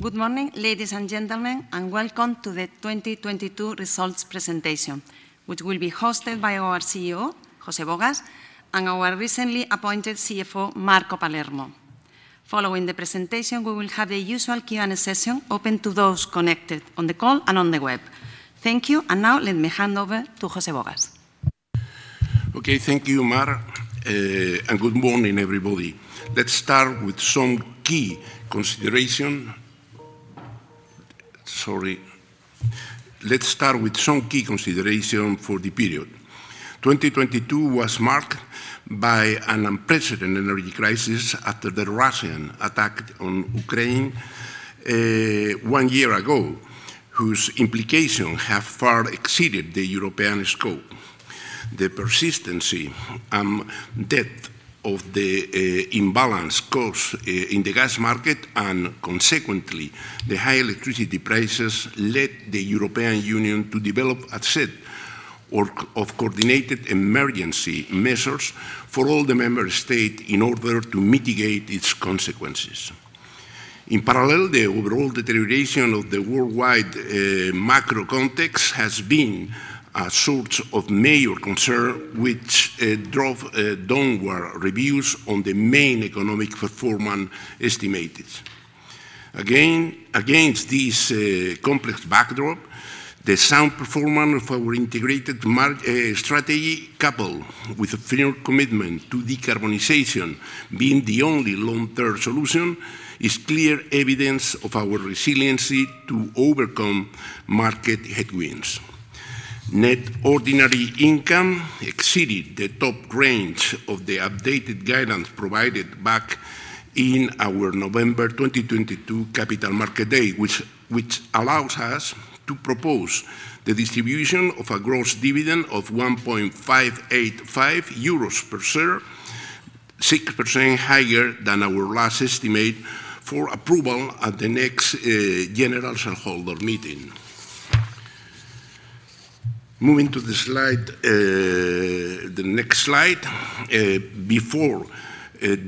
Good morning, ladies and gentlemen, and welcome to the 2022 results presentation, which will be hosted by our CEO, José Bogas, and our recently appointed CFO, Marco Palermo. Following the presentation, we will have the usual Q&A session open to those connected on the call and on the web. Thank you. Now, let me hand over to José Bogas. Okay. Thank you, Mar, good morning, everybody. Let's start with some key consideration for the period. 2022 was marked by an unprecedented energy crisis after the Russian attack on Ukraine, one year ago, whose implication have far exceeded the European scope. The persistency and depth of the imbalance caused in the gas market and, consequently, the high electricity prices led the European Union to develop a set work of coordinated emergency measures for all the member state in order to mitigate its consequences. In parallel, the overall deterioration of the worldwide macro context has been a source of major concern which drove downward reviews on the main economic performance estimated. Again, against this complex backdrop, the sound performance of our integrated mark strategy, coupled with a firm commitment to decarbonization being the only long-term solution, is clear evidence of our resiliency to overcome market headwinds. Net ordinary income exceeded the top range of the updated guidance provided back in our November 2022 Capital Markets Day, which allows us to propose the distribution of a gross dividend of 1.585 euros per share, 6% higher than our last estimate for approval at the next general shareholder meeting. Moving to the next slide. Before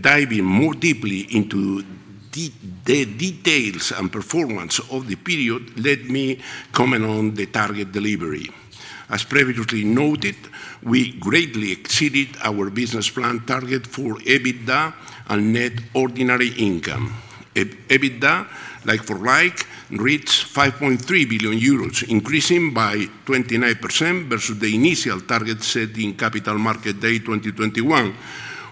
diving more deeply into the details and performance of the period, let me comment on the target delivery. As previously noted, we greatly exceeded our business plan target for EBITDA and net ordinary income. EBITDA, like for like, reached 5.3 billion euros, increasing by 29% versus the initial target set in Capital Markets Day 2021.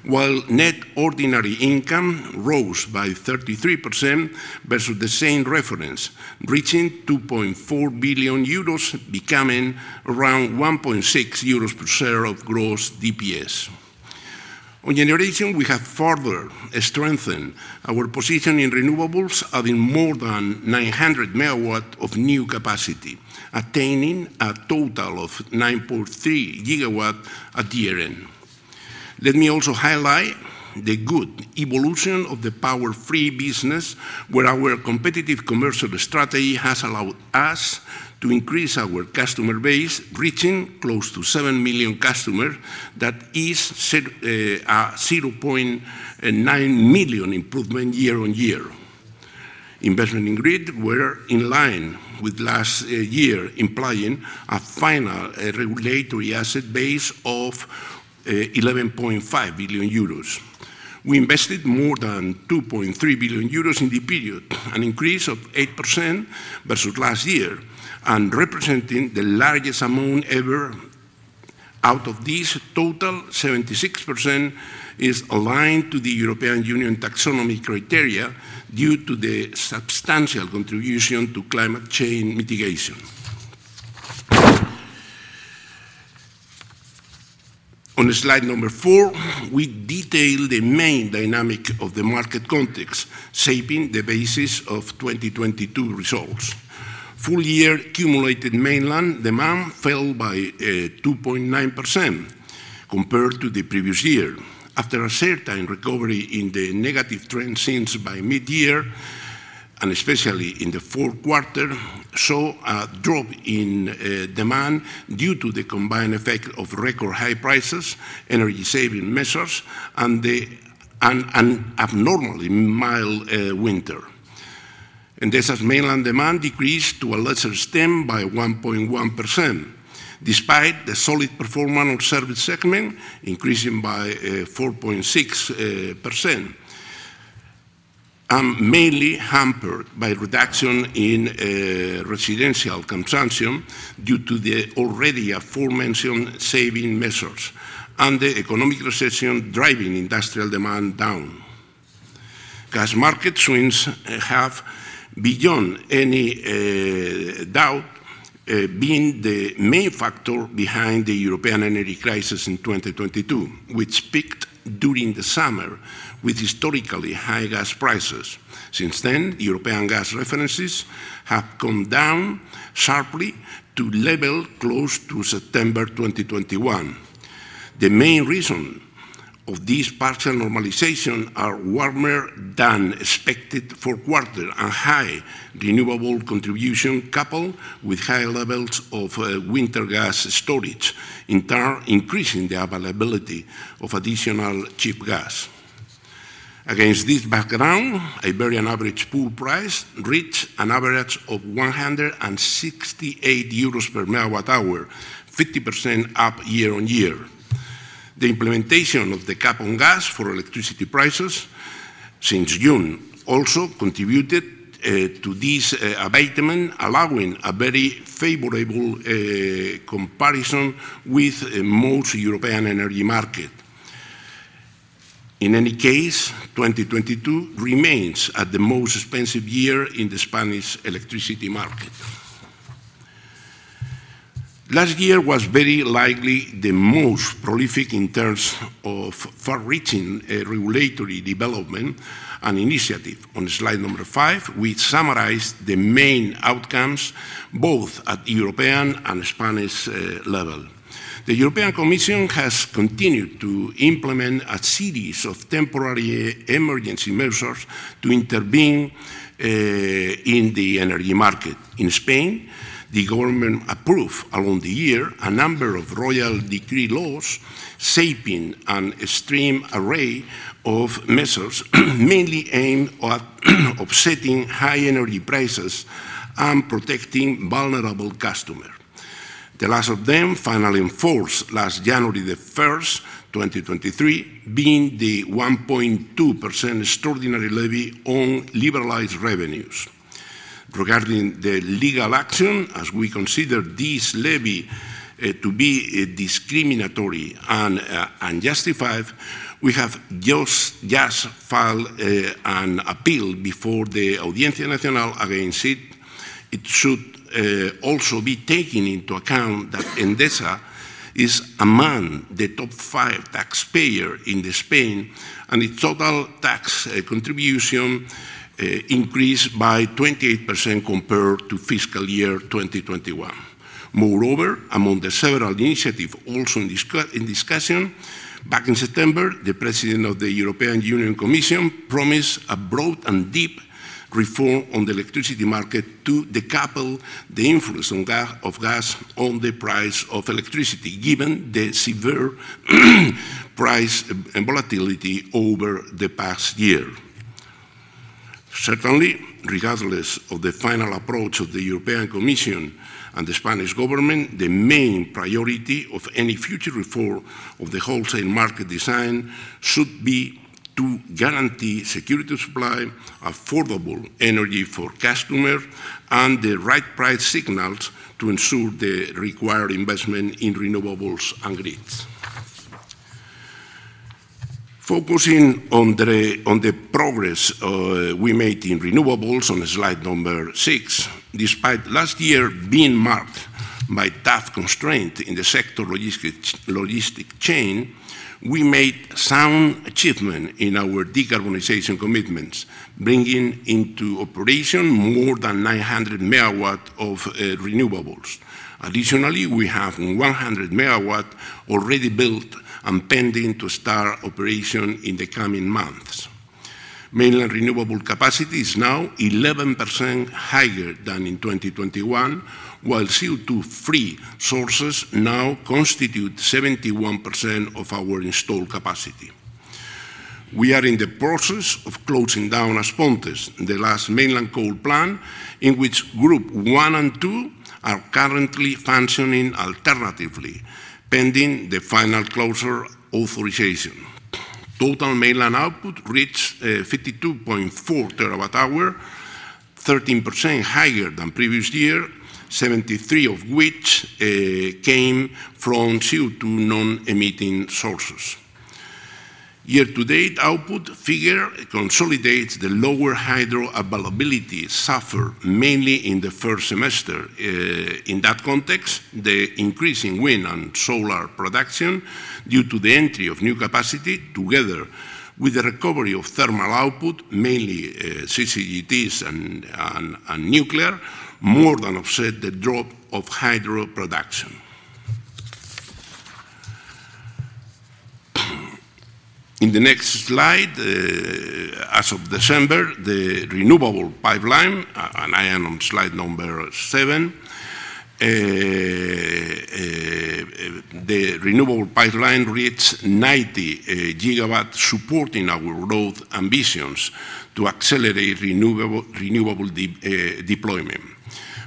While net ordinary income rose by 33% versus the same reference, reaching 2.4 billion euros, becoming around 1.6 euros per share of gross DPS. On generation, we have further strengthened our position in renewables, adding more than 900 MW of new capacity, attaining a total of 9.3 GW at year-end. Let me also highlight the good evolution of the power-free business, where our competitive commercial strategy has allowed us to increase our customer base, reaching close to 7 million customer. That is a 0.9 million improvement year-on-year. Investment in grid were in line with last year, implying a final regulatory asset base of 11.5 billion euros. We invested more than 2.3 billion euros in the period, an increase of 8% versus last year and representing the largest amount ever. Out of this total, 76% is aligned to the European Union Taxonomy criteria due to the substantial contribution to climate change mitigation. On slide number four, we detail the main dynamic of the market context, shaping the basis of 2022 results. Full year accumulated mainland demand fell by 2.9% compared to the previous year. After a certain recovery in the negative trend since by mid-year, and especially in the fourth quarter, saw a drop in demand due to the combined effect of record high prices, energy-saving measures, and abnormally mild winter. This as mainland demand decreased to a lesser extent by 1.1%, despite the solid performance of service segment increasing by 4.6%, and mainly hampered by reduction in residential consumption due to the already aforementioned saving measures and the economic recession driving industrial demand down. Gas market swings have, beyond any doubt, being the main factor behind the European energy crisis in 2022, which peaked during the summer with historically high gas prices. Since then, European gas references have come down sharply to level close to September 2021. The main reason of this partial normalization are warmer than expected fourth quarter and high renewable contribution, coupled with high levels of winter gas storage, in turn increasing the availability of additional cheap gas. Against this background, Iberian average pool price reached an average of 168 euros per MWh, 50% up year-on-year. The implementation of the cap on gas for electricity prices since June also contributed to this abatement, allowing a very favorable comparison with most European energy market. In any case, 2022 remains at the most expensive year in the Spanish electricity market. Last year was very likely the most prolific in terms of far-reaching regulatory development and initiative. On slide number five, we summarized the main outcomes both at European and Spanish level. The European Commission has continued to implement a series of temporary e-emergency measures to intervene in the energy market. In Spain, the government approved along the year a number of Royal Decree-Laws shaping an extreme array of measures, mainly aimed at offsetting high energy prices and protecting vulnerable customer. The last of them finally enforced last January the 1st, 2023, being the 1.2% extraordinary levy on liberalized revenues. Regarding the legal action, as we consider this levy to be discriminatory and unjustified, we have just filed an appeal before the Audiencia Nacional against it. It should also be taken into account that Endesa is among the top five taxpayer in the Spain, and its total tax contribution increased by 28% compared to fiscal year 2021. Among the several initiatives also in discussion, back in September, the president of the European Union Commission promised a broad and deep reform on the electricity market to decouple the influence of gas on the price of electricity, given the severe price and volatility over the past year. Regardless of the final approach of the European Commission and the Spanish government, the main priority of any future reform of the wholesale market design should be to guarantee security of supply, affordable energy for customers, and the right price signals to ensure the required investment in renewables and grids. Focusing on the progress we made in renewables on slide six. Despite last year being marked by tough constraint in the sector logistic chain, we made sound achievement in our decarbonization commitments, bringing into operation more than 900 MW of renewables. Additionally, we have 100 MW already built and pending to start operation in the coming months. Mainland renewable capacity is now 11% higher than in 2021, while CO₂-free sources now constitute 71% of our installed capacity. We are in the process of closing down As Pontes, the last mainland coal plant, in which group one and two are currently functioning alternatively, pending the final closure authorization. Total mainland output reached 52.4 terawatt-hour, 13% higher than previous year, 73 of which came from CO₂ non-emitting sources. Year-to-date output figure consolidates the lower hydro availability suffered mainly in the first semester. In that context, the increasing wind and solar production due to the entry of new capacity, together with the recovery of thermal output, mainly CCGTs and nuclear, more than offset the drop of hydro production. In the next slide, as of December, the renewable pipeline, and I am on slide number seven, the renewable pipeline reached 90 GW supporting our growth ambitions to accelerate renewable deployment.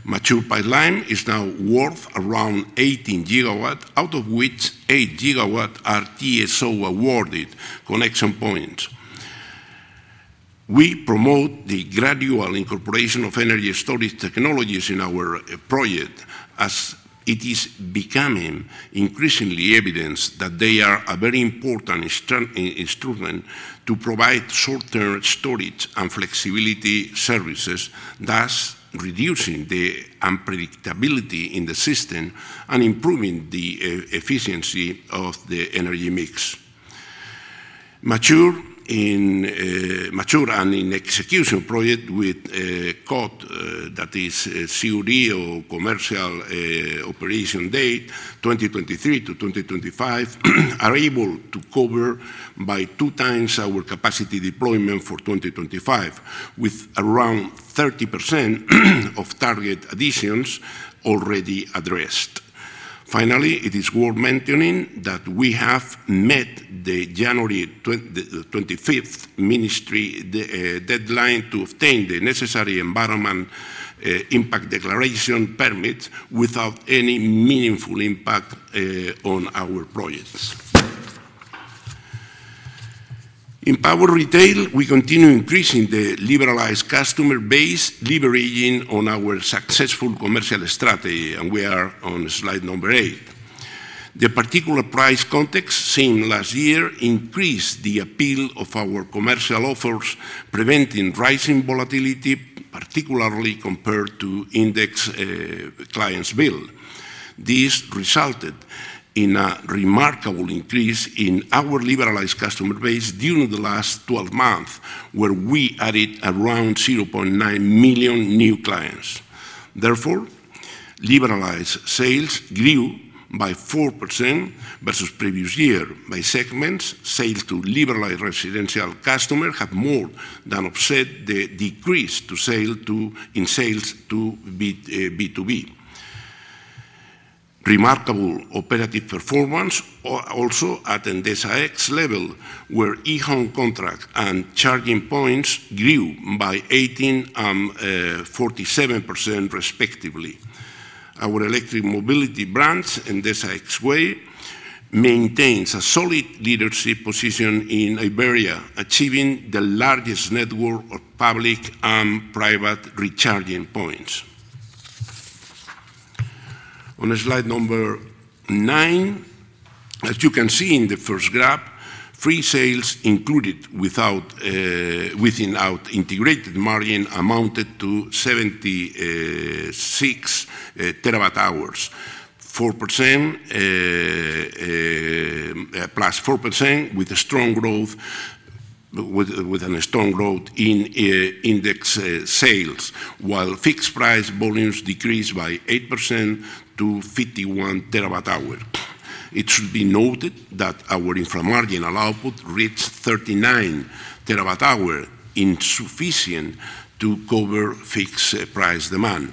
Mature pipeline is now worth around 18 GW, out of which 8 GW are TSO-awarded connection points. We promote the gradual incorporation of energy storage technologies in our project as it is becoming increasingly evident that they are a very important instrument to provide short-term storage and flexibility services, thus reducing the unpredictability in the system and improving the efficiency of the energy mix. Mature and in execution project with a COD, that is a COD or Commercial Operation Date, 2023-2025, are able to cover by 2x our capacity deployment for 2025, with around 30% of target additions already addressed. It is worth mentioning that we have met the January 25th ministry deadline to obtain the necessary Environmental Impact Declaration permit without any meaningful impact on our projects. In power retail, we continue increasing the liberalized customer base, liberating on our successful commercial strategy. We are on slide number eight. The particular price context seen last year increased the appeal of our commercial offers, preventing rising volatility, particularly compared to index client's bill. This resulted in a remarkable increase in our liberalized customer base during the last 12 months, where we added around 0.9 million new clients. Therefore, liberalized sales grew by 4% versus previous year. By segments, sales to liberalized residential customer have more than offset the decrease in sales to B2B. Remarkable operative performance also at Endesa X level, where home contract and charging points grew by 18%, 47% respectively. Our electric mobility branch, Endesa X Way, maintains a solid leadership position in Iberia, achieving the largest network of public and private recharging points. On slide number nine, as you can see in the first graph, free sales included without integrated margin amounted to 76 TWh, plus 4% with a strong growth in index sales, while fixed price volumes decreased by 8% to 51 TWh It should be noted that our infra-marginal output reached 39 TWh, insufficient to cover fixed price demand.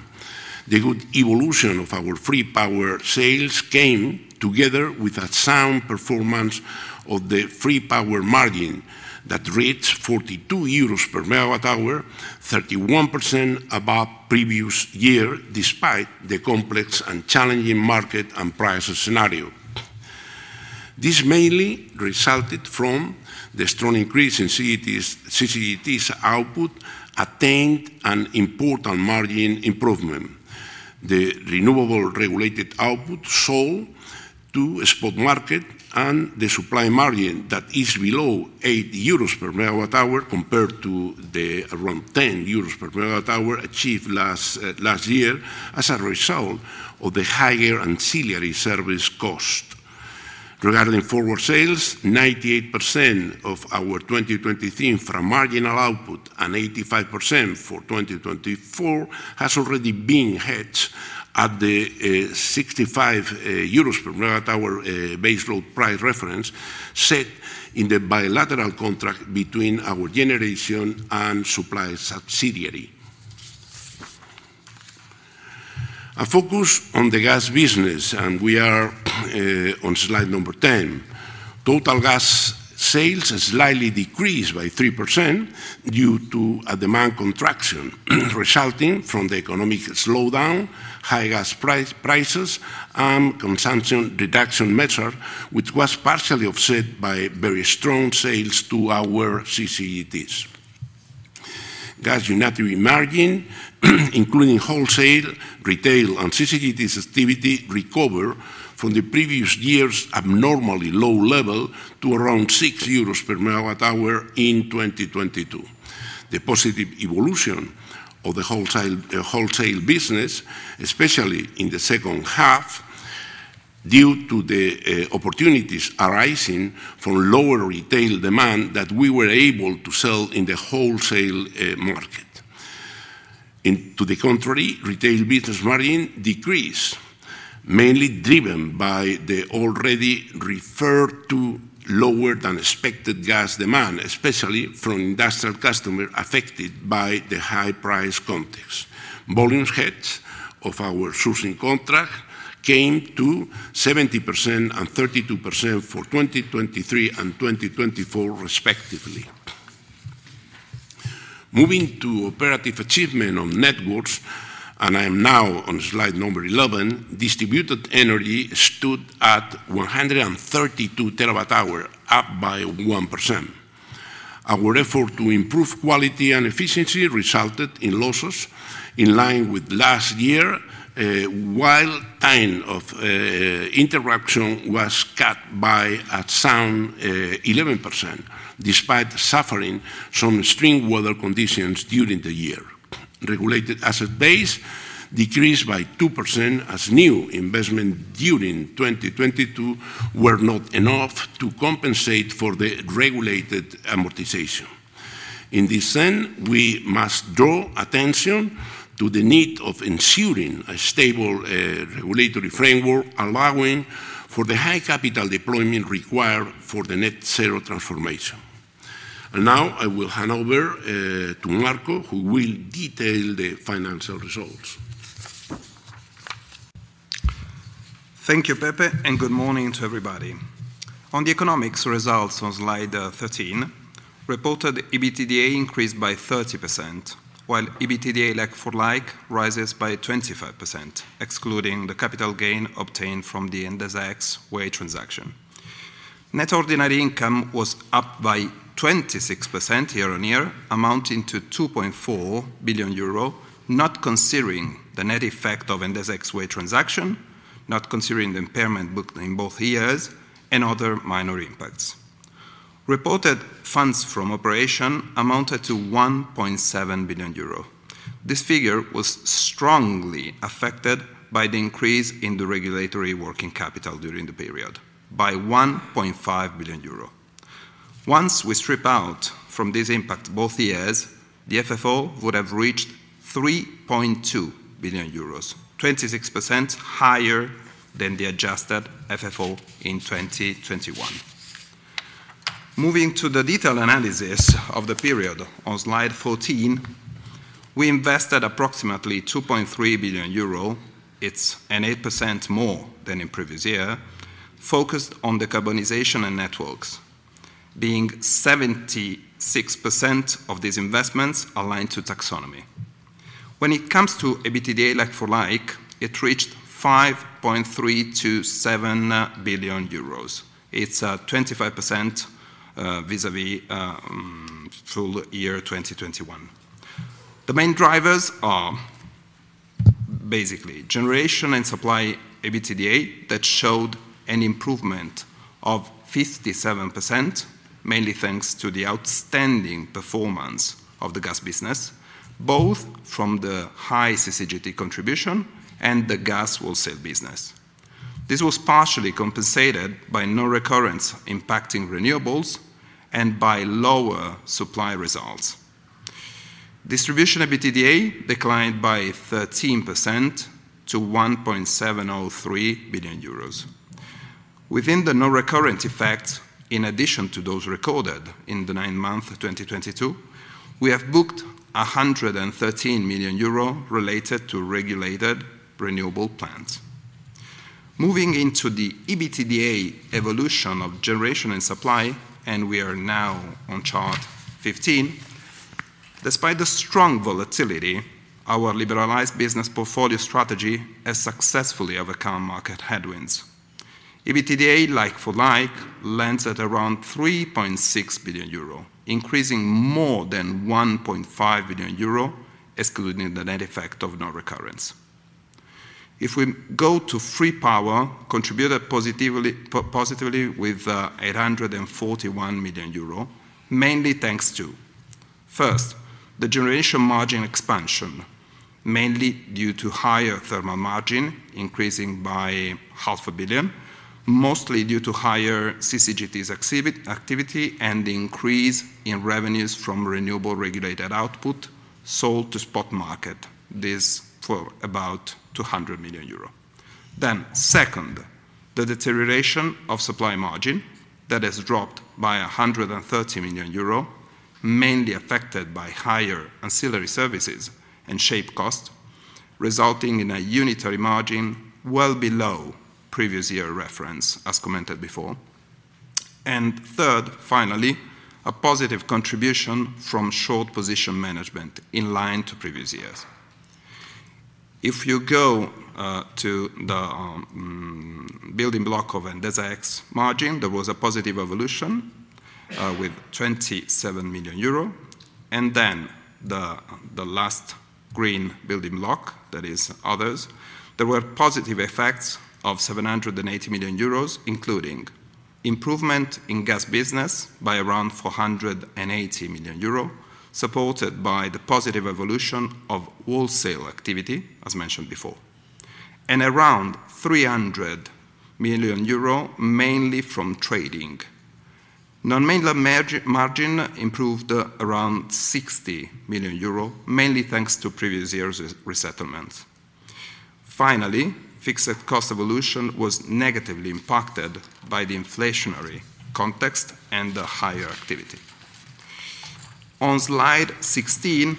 The good evolution of our free power sales came together with a sound performance of the free power margin that reached 42 euros per MWh 31% above previous year, despite the complex and challenging market and price scenario. This mainly resulted from the strong increase in CCGTs output, attained an important margin improvement. The renewable regulated output sold to a spot market and the supply margin that is below 8 euros per MWh compared to the around 10 euros per MWh achieved last year as a result of the higher ancillary services cost. Regarding forward sales, 98% of our 2023 infra-marginal output and 85% for 2024 has already been hedged at the 65 euros per MWh baseload price reference set in the bilateral contract between our generation and supply subsidiary. A focus on the gas business, we are on slide number 10. Total gas sales slightly decreased by 3% due to a demand contraction resulting from the economic slowdown, high gas prices, and consumption reduction measure, which was partially offset by very strong sales to our CCGTs. Gas unity margin including wholesale, retail, and CCGTs activity recover from the previous year's abnormally low level to around 6 euros per MWh in 2022. The positive evolution of the wholesale business, especially in the second half, due to the opportunities arising from lower retail demand that we were able to sell in the wholesale market. In to the contrary, retail business margin decreased, mainly driven by the already referred to lower than expected gas demand, especially from industrial customer affected by the high price context. Volume hedge of our sourcing contract came to 70% and 32% for 2023 and 2024 respectively. Moving to operative achievement on networks, and I'm now on slide number 11, distributed energy stood at 132 TWh, up by 1%. Our effort to improve quality and efficiency resulted in losses in line with last year, while time of interruption was cut by a sound 11%, despite suffering some extreme weather conditions during the year. Regulated asset base decreased by 2% as new investment during 2022 were not enough to compensate for the regulated amortization. In this end, we must draw attention to the need of ensuring a stable regulatory framework allowing for the high capital deployment required for the net zero transformation. Now I will hand over to Marco, who will detail the financial results. Thank you, Peppe. Good morning to everybody. On the economics results on slide 13, reported EBITDA increased by 30%, while EBITDA like-for-like rises by 25%, excluding the capital gain obtained from the Endesa X Way transaction. Net ordinary income was up by 26% year-on-year, amounting to 2.4 billion euro, not considering the net effect of Endesa X Way transaction, not considering the impairment booked in both years and other minor impacts. Reported funds from operation amounted to 1.7 billion euro. This figure was strongly affected by the increase in the regulatory working capital during the period by 1.5 billion euro. Once we strip out from this impact both years, the FFO would have reached 3.2 billion euros, 26% higher than the adjusted FFO in 2021. Moving to the detailed analysis of the period on slide 14, we invested approximately 2.3 billion euro. It's an 8% more than in previous year, focused on decarbonization and networks, being 76% of these investments aligned to taxonomy. When it comes to EBITDA like for like, it reached 5.327 billion euros. It's 25% vis-à-vis full year 2021. The main drivers are basically generation and supply EBITDA that showed an improvement of 57%, mainly thanks to the outstanding performance of the gas business, both from the high CCGT contribution and the gas wholesale business. This was partially compensated by non-recurrence impacting renewables and by lower supply results. Distribution EBITDA declined by 13% to 1.703 billion euros. Within the non-recurrent effects, in addition to those recorded in the nine month of 2022, we have booked 113 million euro related to regulated renewable plants. We are now on chart 15. Despite the strong volatility, our liberalized business portfolio strategy has successfully overcome market headwinds. EBITDA like for like lands at around 3.6 billion euro, increasing more than 1.5 billion euro, excluding the net effect of non-recurrence. If we go to free power, contributed positively with 841 million euro, mainly thanks to, first, the generation margin expansion, mainly due to higher thermal margin, increasing by half a billion, mostly due to higher CCGTs activity and the increase in revenues from renewable regulated output sold to spot market. This for about 200 million euro. Second, the deterioration of supply margin that has dropped by 130 million euro, mainly affected by higher ancillary services and shape cost, resulting in a unitary margin well below previous year reference, as commented before. Third, finally, a positive contribution from short position management in line to previous years. If you go to the building block of Endesa X margin, there was a positive evolution with 27 million euro. The last green building block, that is others, there were positive effects of 780 million euros, including improvement in gas business by around 480 million euros, supported by the positive evolution of wholesale activity, as mentioned before, and around 300 million euro, mainly from trading. Non-mainland margin improved around 60 million euro, mainly thanks to previous years' resettlements. Finally, fixed cost evolution was negatively impacted by the inflationary context and the higher activity. On slide 16,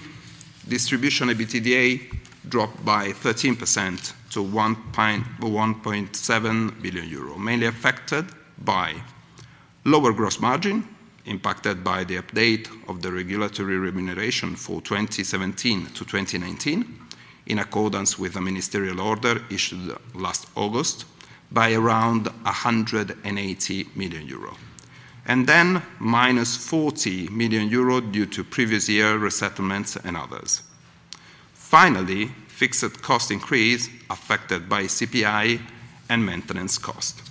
distribution EBITDA dropped by 13% to 1.7 billion euro, mainly affected by lower gross margin, impacted by the update of the regulatory remuneration for 2017-2019 in accordance with the Ministerial Order issued last August by around 180 million euro. Minus 40 million euro due to previous year resettlements and others. Finally, fixed cost increase affected by CPI and maintenance cost.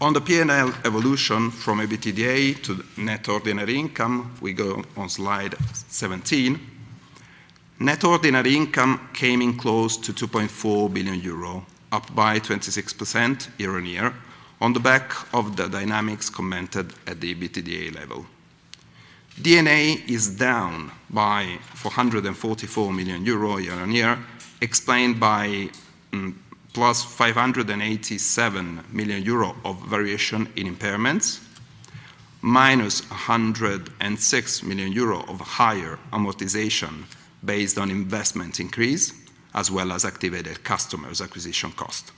On the P&L evolution from EBITDA to net ordinary income, we go on slide 17. Net ordinary income came in close to 2.4 billion euro, up by 26% year-on-year on the back of the dynamics commented at the EBITDA level. D&A is down by 444 million euro year-on-year, explained by + 587 million euro of variation in impairments, - 106 million euro of higher amortization based on investment increase as well as activated customers acquisition cost.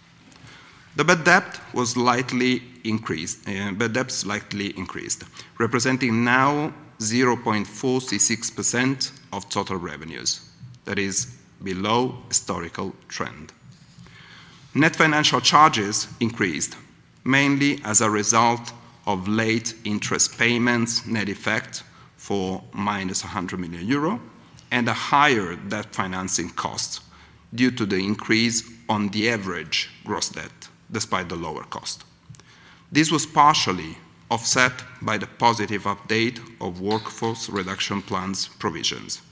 The bad debt slightly increased, representing now 0.46% of total revenues. That is below historical trend. Net financial charges increased mainly as a result of late interest payments net effect for - 100 million euro and a higher debt financing cost due to the increase on the average gross debt despite the lower cost. This was partially offset by the positive update of workforce reduction plans provisions.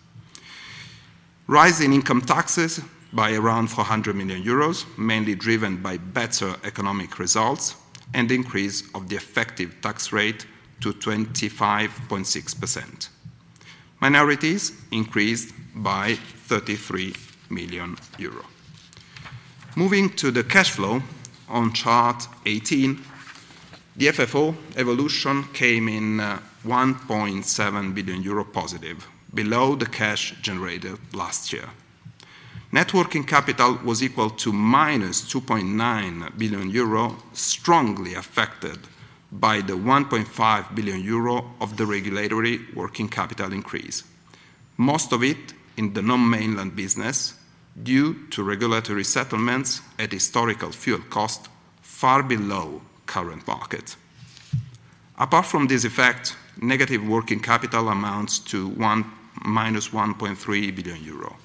Rise in income taxes by around 400 million euros, mainly driven by better economic results and increase of the effective tax rate to 25.6%. Minorities increased by 33 million euros. Moving to the cash flow on chart 18, the FFO evolution came in, 1.7 billion euro positive, below the cash generated last year. Net working capital was equal to minus 2.9 billion euro, strongly affected by the 1.5 billion euro of the regulatory working capital increase, most of it in the non-mainland business due to regulatory settlements at historical fuel cost far below current market. Apart from this effect, negative working capital amounts to minus 1.3 billion euro,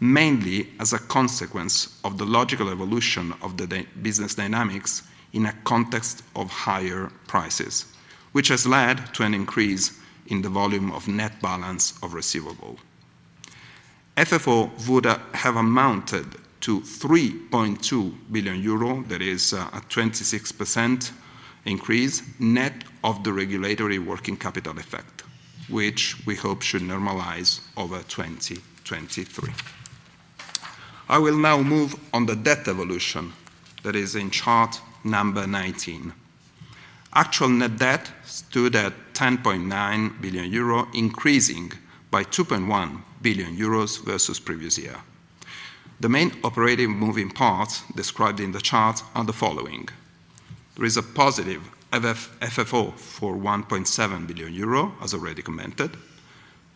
mainly as a consequence of the logical evolution of the business dynamics in a context of higher prices, which has led to an increase in the volume of net balance of receivable. FFO would have amounted to 3.2 billion euro. That is a 26% increase net of the regulatory working capital effect, which we hope should normalize over 2023. I will now move on the debt evolution that is in chart number 19. Actual net debt stood at 10.9 billion euro, increasing by 2.1 billion euros versus previous year. The main operating moving parts described in the chart are the following. There is a positive FFO for 1.7 billion euro, as already commented,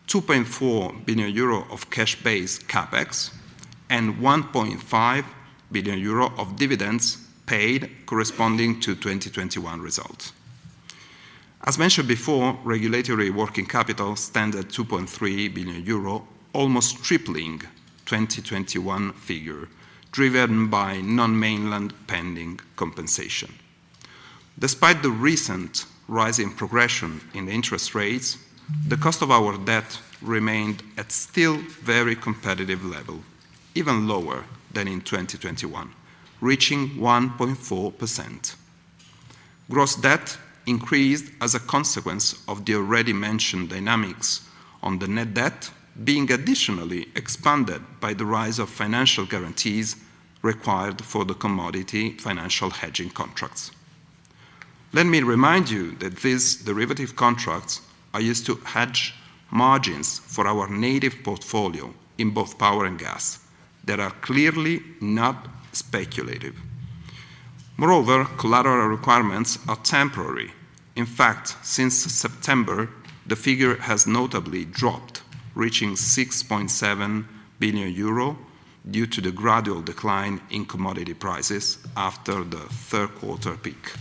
2.4 billion euro of cash-based Capex, and 1.5 billion euro of dividends paid corresponding to 2021 results. As mentioned before, regulatory working capital stand at 2.3 billion euro, almost tripling 2021 figure driven by non-mainland pending compensation. Despite the recent rise in progression in interest rates, the cost of our debt remained at still very competitive level, even lower than in 2021, reaching 1.4%. Gross debt increased as a consequence of the already mentioned dynamics on the net debt being additionally expanded by the rise of financial guarantees required for the commodity financial hedging contracts. Let me remind you that these derivative contracts are used to hedge margins for our native portfolio in both power and gas that are clearly not speculative. Moreover, collateral requirements are temporary. In fact, since September, the figure has notably dropped, reaching 6.7 billion euro due to the gradual decline in commodity prices after the third quarter peak.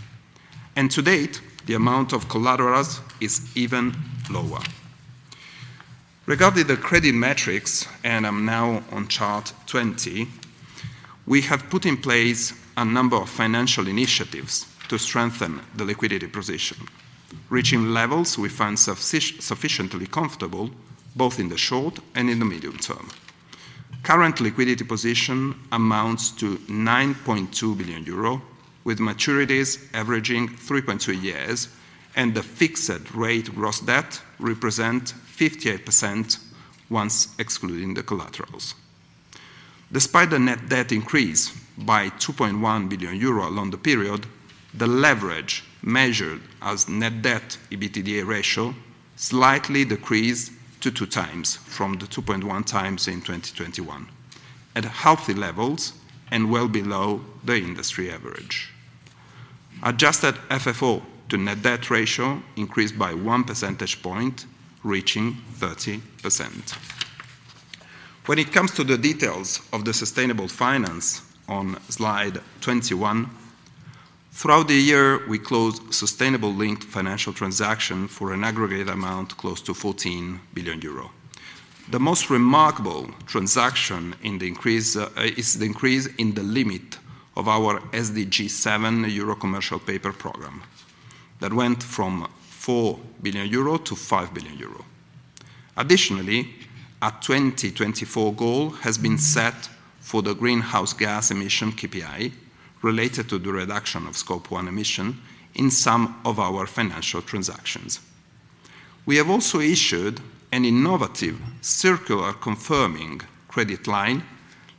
To date, the amount of collaterals is even lower. Regarding the credit metrics, I'm now on chart 20, we have put in place a number of financial initiatives to strengthen the liquidity position, reaching levels we find sufficiently comfortable both in the short and in the medium term. Current liquidity position amounts to 9.2 billion euro, with maturities averaging 3.2 years and the fixed rate gross debt represent 58% once excluding the collaterals. Despite the net debt increase by 2.1 billion euro along the period, the leverage measured as net debt/EBITDA ratio slightly decreased to 2x from the 2.1x in 2021, at healthy levels and well below the industry average. Adjusted FFO to net debt ratio increased by 1 percentage point, reaching 30%. It comes to the details of the sustainable finance on slide 21, throughout the year, we closed sustainability-linked financial transaction for an aggregate amount close to 14 billion euro. The most remarkable transaction in the increase is the increase in the limit of our SDG 7 Euro Commercial Paper Programme that went from 4 billion euro to 5 billion euro. Additionally, a 2024 goal has been set for the greenhouse gas emission KPI related to the reduction of Scope 1 Emissions in some of our financial transactions. We have also issued an innovative circular confirming credit line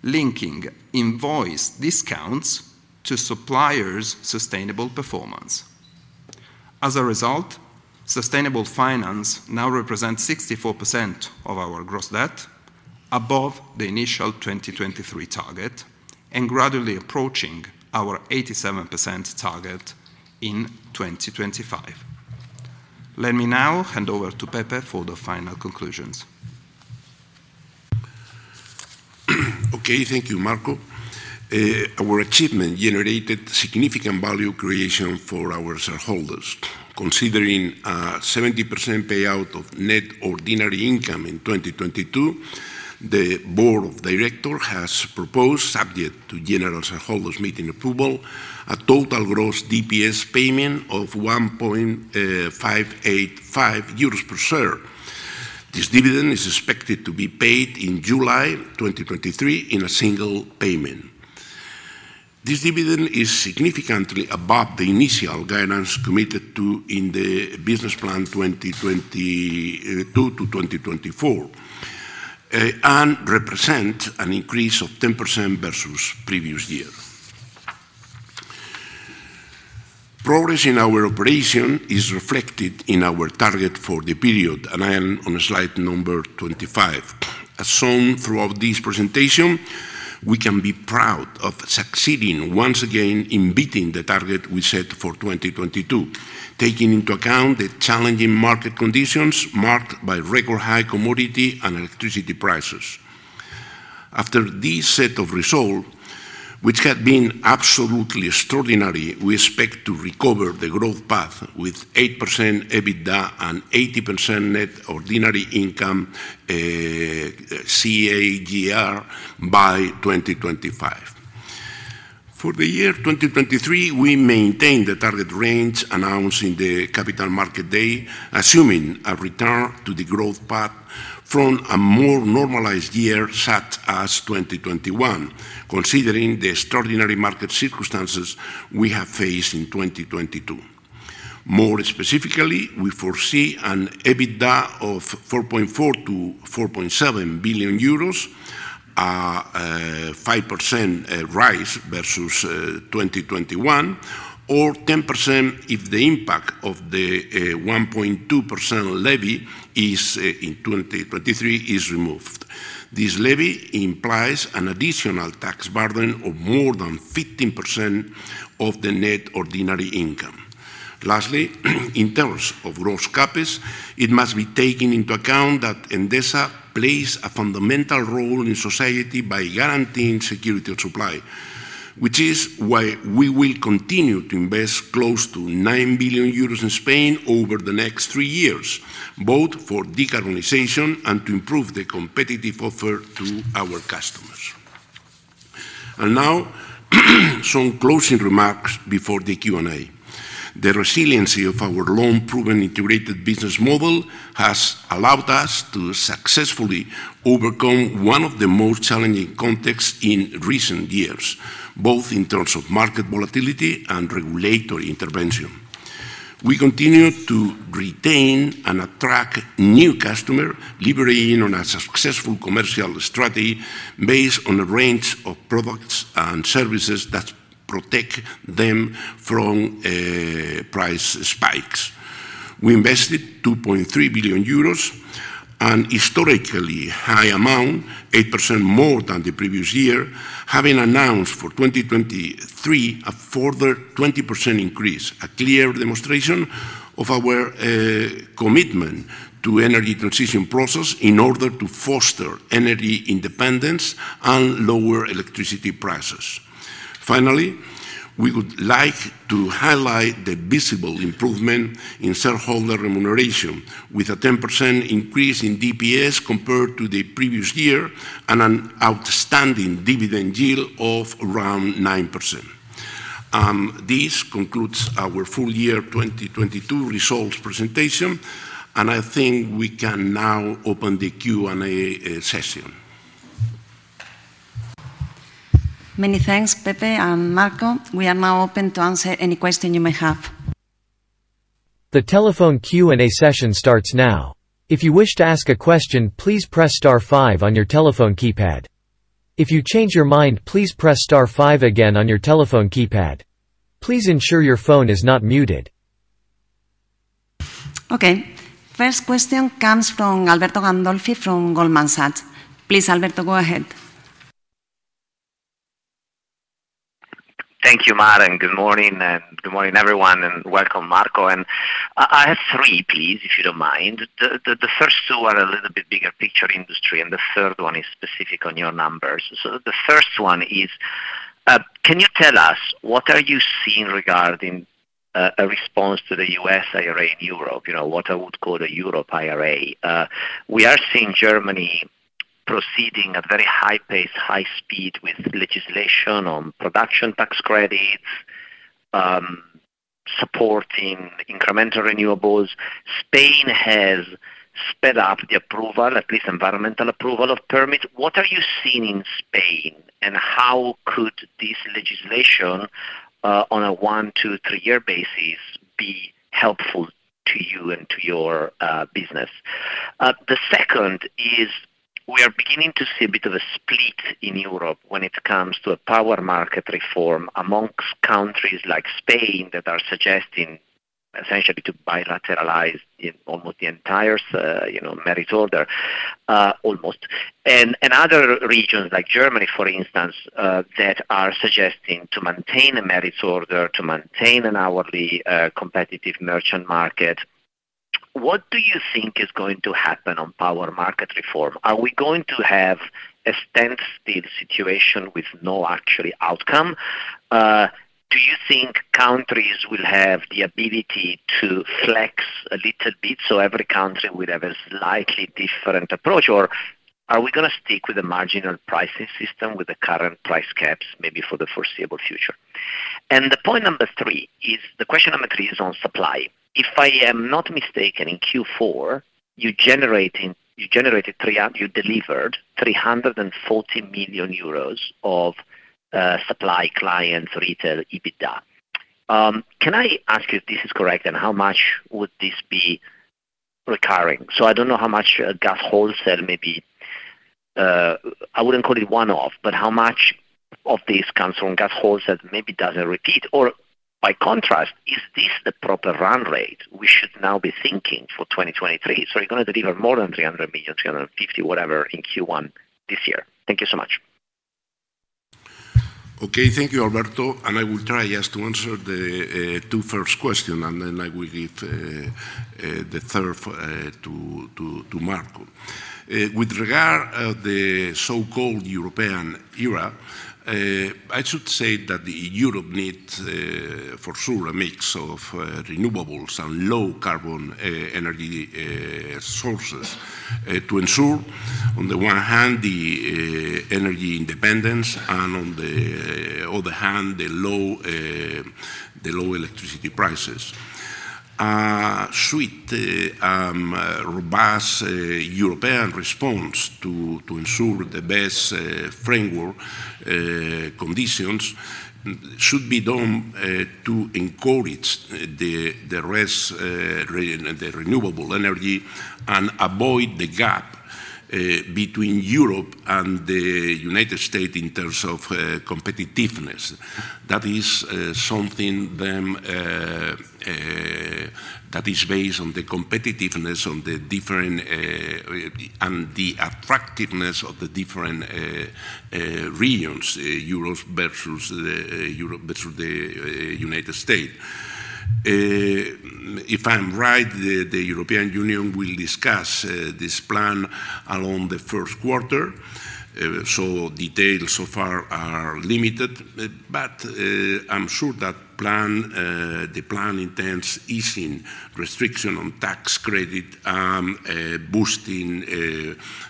linking invoice discounts to suppliers' sustainable performance. As a result, sustainable finance now represents 64% of our gross debt, above the initial 2023 target and gradually approaching our 87% target in 2025. Let me now hand over to Pepe for the final conclusions. Okay, thank you, Marco. Our achievement generated significant value creation for our shareholders. Considering a 70% payout of net ordinary income in 2022, the board of director has proposed, subject to general shareholders' meeting approval, a total gross DPS payment of 1.585 euros per share. This dividend is expected to be paid in July 2023 in a single payment. This dividend is significantly above the initial guidance committed to in the business plan 2022-2024 and represent an increase of 10% versus previous year. Progress in our operation is reflected in our target for the period, and I am on slide number 25. As shown throughout this presentation, we can be proud of succeeding once again in beating the target we set for 2022, taking into account the challenging market conditions marked by record high commodity and electricity prices. After this set of result, which had been absolutely extraordinary, we expect to recover the growth path with 8% EBITDA and 80% net ordinary income, CAGR by 2025. For the year 2023, we maintain the target range announcing the Capital Markets Day, assuming a return to the growth path from a more normalized year, such as 2021, considering the extraordinary market circumstances we have faced in 2022. More specifically, we foresee an EBITDA of 4.4 billion-4.7 billion euros, a 5% rise versus 2021 or 10% if the impact of the 1.2% levy in 2023 is removed. This levy implies an additional tax burden of more than 15% of the net ordinary income. Lastly, in terms of gross CapEx, it must be taken into account that Endesa plays a fundamental role in society by guaranteeing security of supply, which is why we will continue to invest close to 9 billion euros in Spain over the next three years, both for decarbonization and to improve the competitive offer to our customers. Now, some closing remarks before the Q&A. The resiliency of our long-proven integrated business model has allowed us to successfully overcome one of the most challenging contexts in recent years, both in terms of market volatility and regulatory intervention. We continue to retain and attract new customer, leveraging on a successful commercial strategy based on a range of products and services that protect them from price spikes. We invested 2.3 billion euros, an historically high amount, 8% more than the previous year, having announced for 2023 a further 20% increase, a clear demonstration of our commitment to energy transition process in order to foster energy independence and lower electricity prices. Finally, we would like to highlight the visible improvement in shareholder remuneration, with a 10% increase in DPS compared to the previous year and an outstanding dividend yield of around 9%. This concludes our full year 2022 results presentation, and I think we can now open the Q&A session. Many thanks, Pepe and Marco. We are now open to answer any question you may have. The telephone Q&A session starts now. If you wish to ask a question, please press star five on your telephone keypad. If you change your mind, please press star five again on your telephone keypad. Please ensure your phone is not muted. Okay. First question comes from Alberto Gandolfi from Goldman Sachs. Please, Alberto, go ahead. Thank you, Mar, good morning, everyone, and welcome, Marco. I have three, please, if you don't mind. The first two are a little bit bigger picture industry, and the third one is specific on your numbers. The first one is, can you tell us what are you seeing regarding a response to the U.S. IRA in Europe? You know, what I would call the Europe IRA. We are seeing Germany proceeding at very high pace, high speed with legislation on production tax credits supporting incremental renewables. Spain has sped up the approval, at least environmental approval of permits. What are you seeing in Spain, and how could this legislation on a one to three year basis be helpful to you and to your business? The second is we are beginning to see a bit of a split in Europe when it comes to a power market reform amongst countries like Spain that are suggesting essentially to bilateralize the, almost the entire you know, merit order, almost, and other regions like Germany, for instance, that are suggesting to maintain a merit order, to maintain an hourly, competitive merchant market. What do you think is going to happen on power market reform? Are we going to have a standstill situation with no actually outcome? Do you think countries will have the ability to flex a little bit, so every country will have a slightly different approach? Are we gonna stick with the marginal pricing system, with the current price caps, maybe for the foreseeable future? The point number three is, the question number three is on supply. If I am not mistaken, in Q4, you delivered 340 million euros of supply clients retail EBITDA. Can I ask you if this is correct, and how much would this be recurring? I don't know how much gas wholesale maybe. I wouldn't call it one-off, but how much of this comes from gas wholesale maybe does a repeat? By contrast, is this the proper run rate we should now be thinking for 2023? You're gonna deliver more than 300 million, 350 million, whatever in Q1 this year. Thank you so much. Thank you, Alberto, I will try, yes, to answer the two first question, then I will give the third to Marco. With regard of the so-called European era, I should say that Europe needs for sure a mix of renewables and low carbon energy sources to ensure on the one hand, energy independence, and on the other hand, the low electricity prices. Robust European response to ensure the best framework conditions should be done to encourage renewable energy and avoid the gap between Europe and the United States in terms of competitiveness. That is something them that is based on the competitiveness on the different and the attractiveness of the different regions, Europe versus Europe versus the United States. If I'm right, the European Union will discuss this plan along the first quarter, so details so far are limited. I'm sure that plan the plan intends easing restriction on tax credit and boosting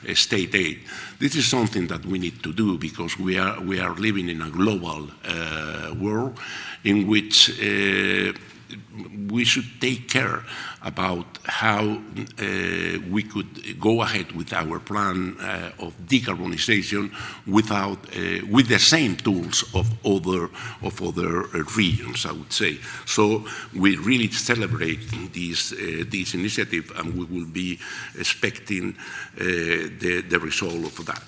a state aid. This is something that we need to do because we are, we are living in a global world in which we should take care about how we could go ahead with our plan of decarbonization without with the same tools of other regions, I would say. We really celebrate this initiative, and we will be expecting the result of that.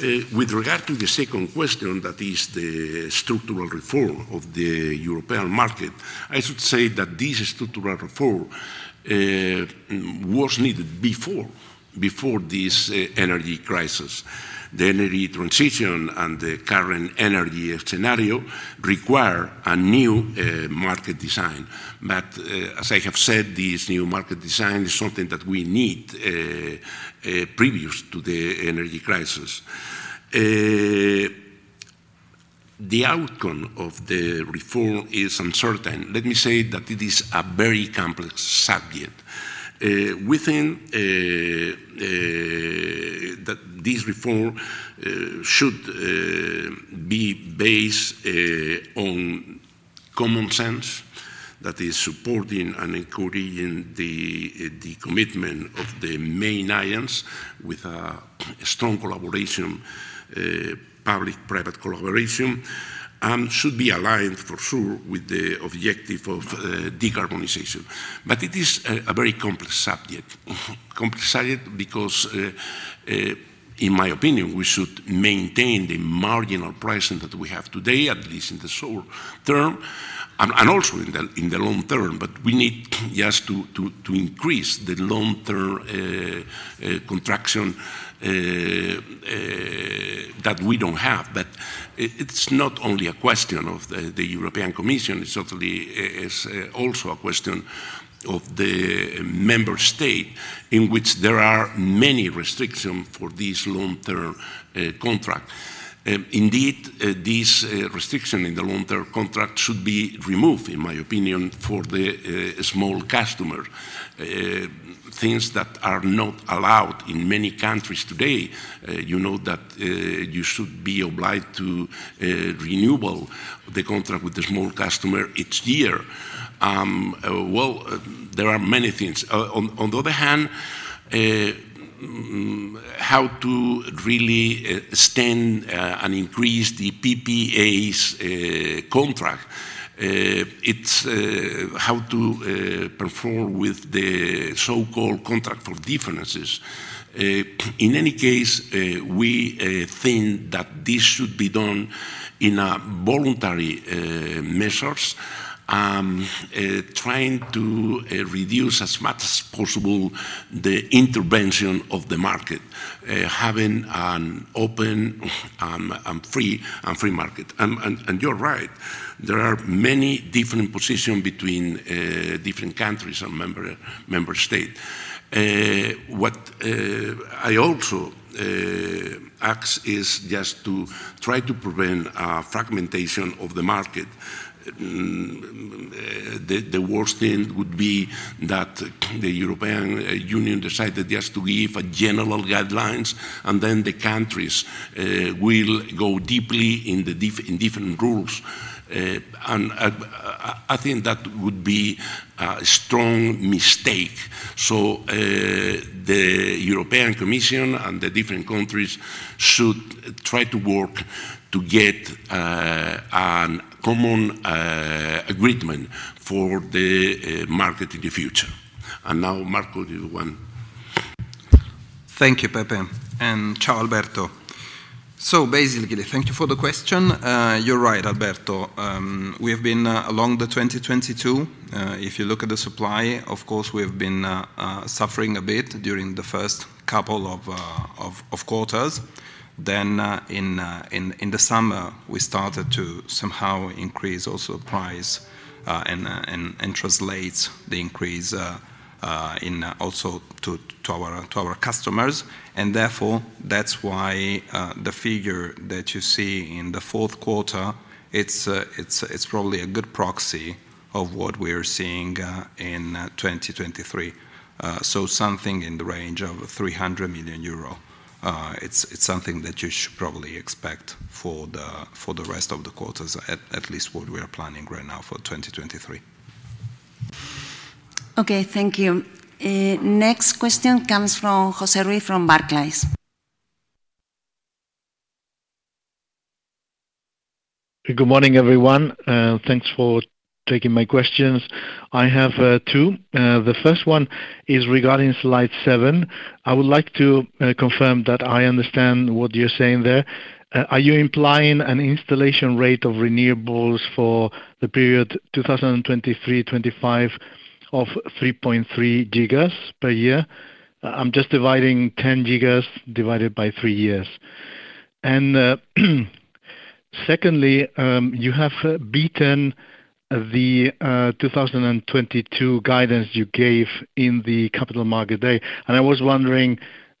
With regard to the second question, that is the structural reform of the European market, I should say that this structural reform was needed before this energy crisis. The energy transition and the current energy scenario require a new market design. As I have said, this new market design is something that we need previous to the energy crisis. The outcome of the reform is uncertain. Let me say that it is a very complex subject. Within that this reform should be based on common sense that is supporting and encouraging the commitment of the main unions with a strong public-private collaboration, and should be aligned for sure with the objective of decarbonization. But it is a very complex subject. Complex subject because in my opinion, we should maintain the marginal pricing that we have today, at least in the short term, and also in the long term. But we need, yes, to increase the long-term contraction that we don't have. But it's not only a question of the European Commission, it is also a question of the member state, in which there are many restriction for these long-term contract. Indeed, these restriction in the long-term contract should be removed, in my opinion, for the small customer. Things that are not allowed in many countries today, you know that you should be obliged to renewal the contract with the small customer each year. Well, there are many things. On the other hand, how to really extend and increase the PPAs contract. It's how to perform with the so-called contract for difference. In any case, we think that this should be done in a voluntary measures, trying to reduce as much as possible the intervention of the market, having an open a free market. You're right, there are many different position between different countries or member state. What I also ask is just to try to prevent fragmentation of the market. The worst thing would be that the European Union decided just to give a general guidelines, and then the countries will go deeply in different rules. I think that would be a strong mistake. The European Commission and the different countries should try to work to get an common agreement for the market in the future. Now, Marco, do you want? Thank you, Pepe, and ciao, Alberto. Basically, thank you for the question. You're right, Alberto. We have been along the 2022, if you look at the supply, of course, we have been suffering a bit during the first couple of quarters. In the summer, we started to somehow increase also price and translate the increase in also to our customers. Therefore, that's why the figure that you see in the fourth quarter, it's probably a good proxy of what we're seeing in 2023. Something in the range of 300 million euro, it's something that you should probably expect for the rest of the quarters, at least what we are planning right now for 2023. Okay, thank you. Next question comes from José Ruiz from Barclays. Good morning, everyone, and thanks for taking my questions. I have two. The first one is regarding slide seven. I would like to confirm that I understand what you're saying there. Are you implying an installation rate of renewables for the period 2023-2025 of 3.3 gigas per year? I'm just dividing 10 gigas divided by three years. Secondly, you have beaten the 2022 guidance you gave in the Capital Markets Day. I was wondering,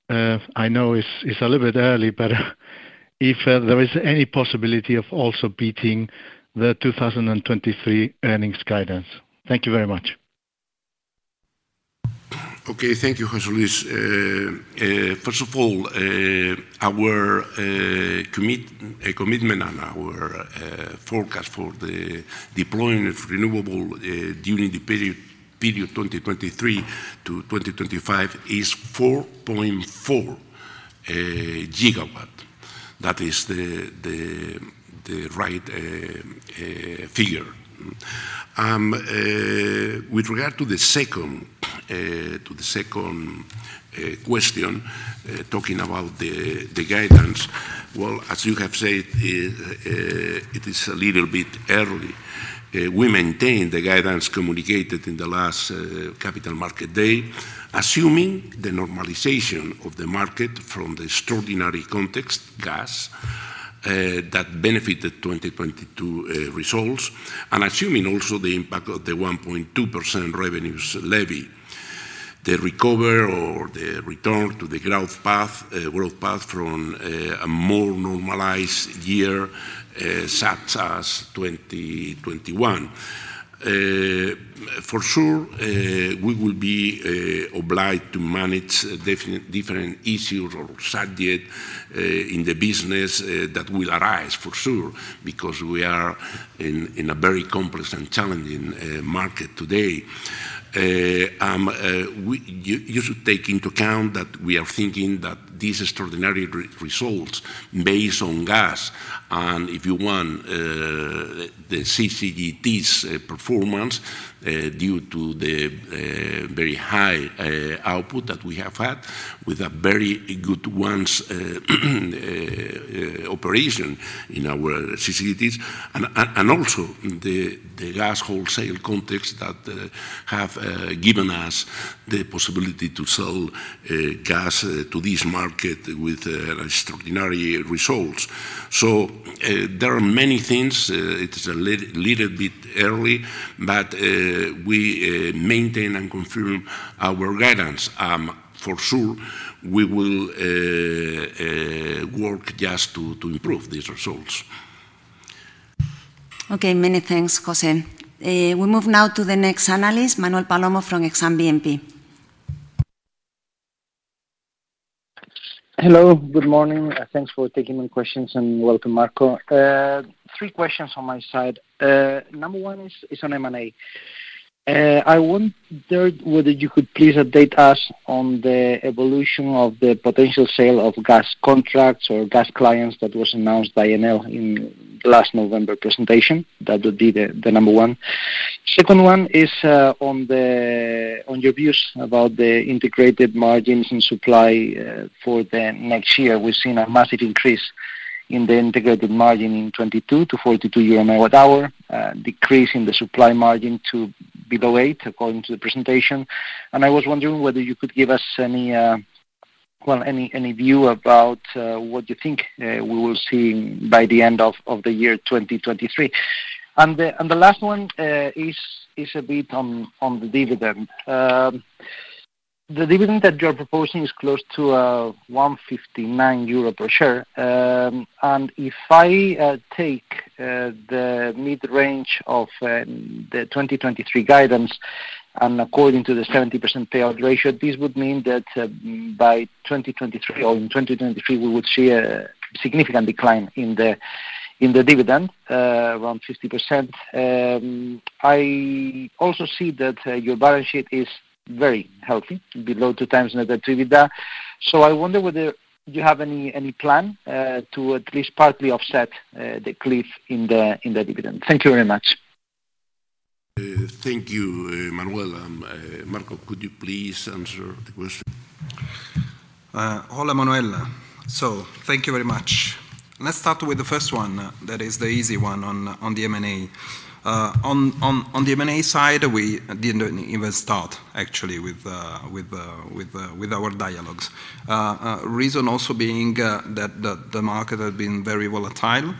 I know it's a little bit early, but if there is any possibility of also beating the 2023 earnings guidance. Thank you very much. Okay, thank you, José Ruiz. First of all, our commitment on our forecast for the deployment of renewable during the period 2023 to 2025 is 4.4 GW. That is the right figure. With regard to the second question, talking about the guidance, well, as you have said, it is a little bit early. We maintain the guidance communicated in the last Capital Market Day, assuming the normalization of the market from the extraordinary context, gas, that benefited 2022 results, and assuming also the impact of the 1.2% revenues levy. The recover or the return to the growth path from a more normalized year, such as 2021. For sure, we will be obliged to manage different issues or subject in the business that will arise, for sure, because we are in a very complex and challenging market today. You should take into account that we are thinking that these extraordinary results based on gas and, if you want, the CCGTs performance due to the very high output that we have had with a very good once operation in our CCGTs and also in the gas wholesale context that have given us the possibility to sell gas to this market with extraordinary results. There are many things. It is a little bit early, but we maintain and confirm our guidance. For sure, we will work just to improve these results. Okay, many thanks, Jose. We move now to the next analyst, Manuel Palomo from Exane BNP. Hello. Good morning. Thanks for taking my questions, welcome, Marco. Three questions on my side. Number one is on M&A. I wonder whether you could please update us on the evolution of the potential sale of gas contracts or gas clients that was announced by Enel in last November presentation. That would be the number 1. Second one is on your views about the integrated margins and supply for the next year. We've seen a massive increase in the integrated margin in 2022 to 42 euro an hour, decrease in the supply margin to below 8 EUR, according to the presentation. I was wondering whether you could give us any, well, any view about what you think we will see by the end of the year 2023. The last one is a bit on the dividend. The dividend that you're proposing is close to 1.59 euro per share. If I take the mid-range of the 2023 guidance, and according to the 70% payout ratio, this would mean that by 2023 or in 2023, we would see a significant decline in the dividend, around 50%. I also see that your balance sheet is very healthy, below 2x net attributable. I wonder whether you have any plan to at least partly offset the cliff in the dividend. Thank you very much. Thank you, Manuel. Marco, could you please answer the question? Hola, Manuel. Thank you very much. Let's start with the first one. That is the easy one on the M&A. On the M&A side, we didn't even start actually with our dialogues. Reason also being that the market had been very volatile.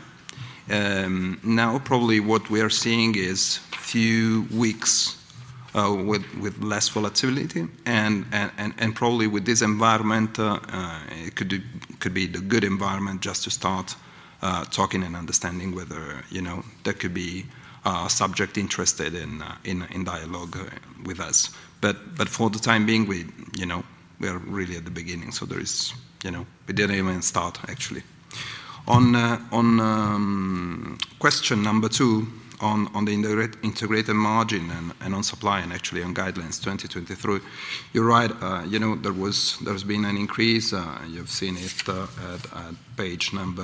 Now probably what we are seeing is few weeks with less volatility and probably with this environment it could be the good environment just to start talking and understanding whether, you know, there could be a subject interested in dialogue with us. For the time being, we, you know, we are really at the beginning, so there is, you know... We didn't even start, actually. On question two on the integrated margin and on supply and actually on guidelines 2023, you're right. You know, there's been an increase. You've seen it at page nine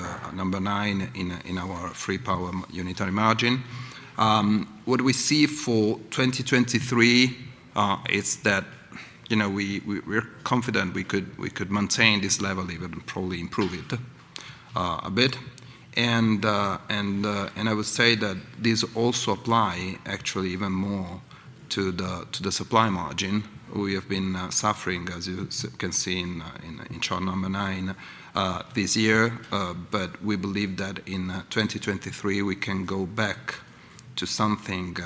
in our liberalized power unitary margin. What we see for 2023 is that, you know, we're confident we could maintain this level, even probably improve it a bit. I would say that these also apply actually even more to the supply margin. We have been suffering, as you can see in chart nine, this year. We believe that in 2023, we can go back to something,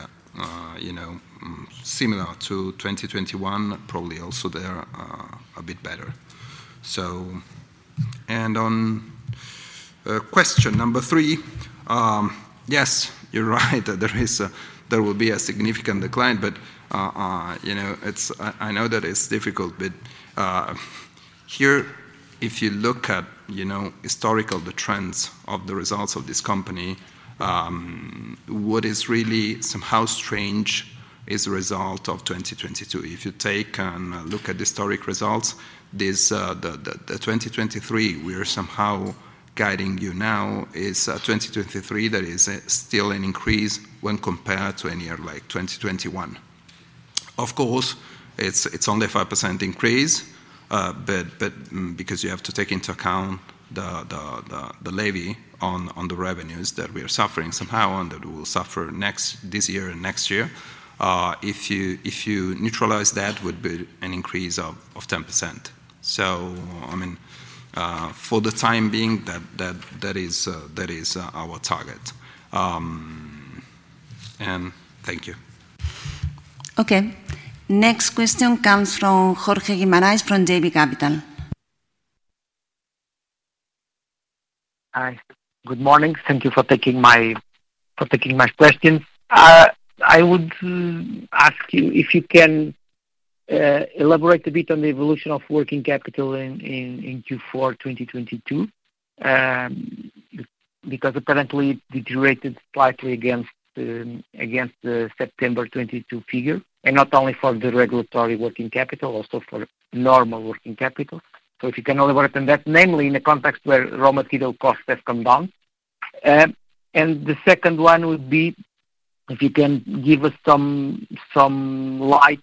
you know, similar to 2021, probably also there a bit better. On question number three, yes, you're right. There will be a significant decline, you know, I know that it's difficult, here, if you look at, you know, historical, the trends of the results of this company, what is really somehow strange is the result of 2022. If you take and look at historic results, this, the 2023, we are somehow guiding you now is 2023, there is still an increase when compared to any year like 2021. Of course, it's only a 5% increase, but because you have to take into account the levy on the revenues that we are suffering somehow and that we will suffer this year and next year. If you neutralize that, would be an increase of 10%. I mean, for the time being, that is, that is our target. Thank you. Okay. Next question comes from Jorge Guimarães from JB Capital. Hi. Good morning. Thank you for taking my questions. I would ask you if you can elaborate a bit on the evolution of working capital in Q4 2022, because apparently it deteriorated slightly against the September 2022 figure, and not only for the regulatory working capital, also for normal working capital. If you can elaborate on that, namely in a context where raw material costs have come down. The second one would be if you can give us some light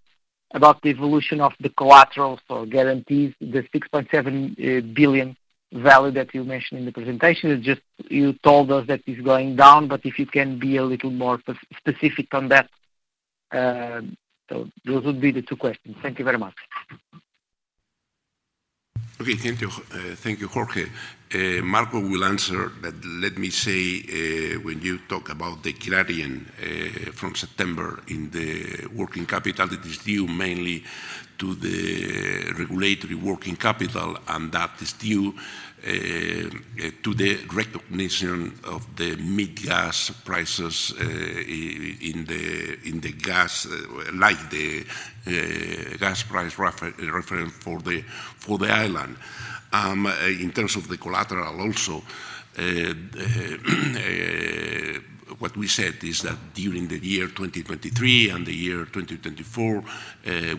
about the evolution of the collaterals or guarantees, the 6.7 billion value that you mentioned in the presentation. You told us that it's going down, but if you can be a little more specific on that? Those would be the two questions. Thank you very much. Okay, thank you. Thank you, Jorge. Marco will answer, but let me say, when you talk about the variation from September in the working capital, it is due mainly to the regulatory working capital, and that is due to the recognition of the MIBGAS prices in the gas, like the gas price referent for the island. In terms of the collateral also, what we said is that during the year 2023 and the year 2024,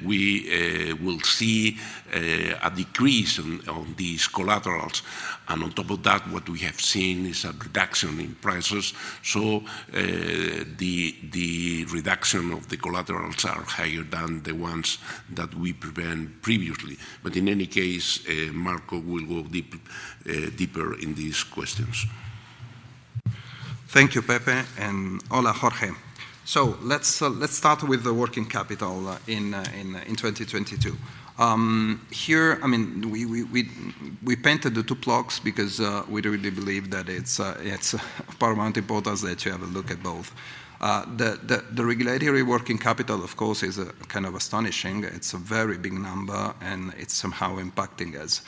we will see a decrease on these collaterals. On top of that, what we have seen is a reduction in prices. The reduction of the collaterals are higher than the ones that we prevent previously. In any case, Marco will go deeper in these questions. Thank you, Pepe, and hola, Jorge. Let's start with the working capital in 2022. Here, I mean, we painted the two blocks because we really believe that it's of paramount importance that you have a look at both. The regulatory working capital, of course, is kind of astonishing. It's a very big number, and it's somehow impacting us.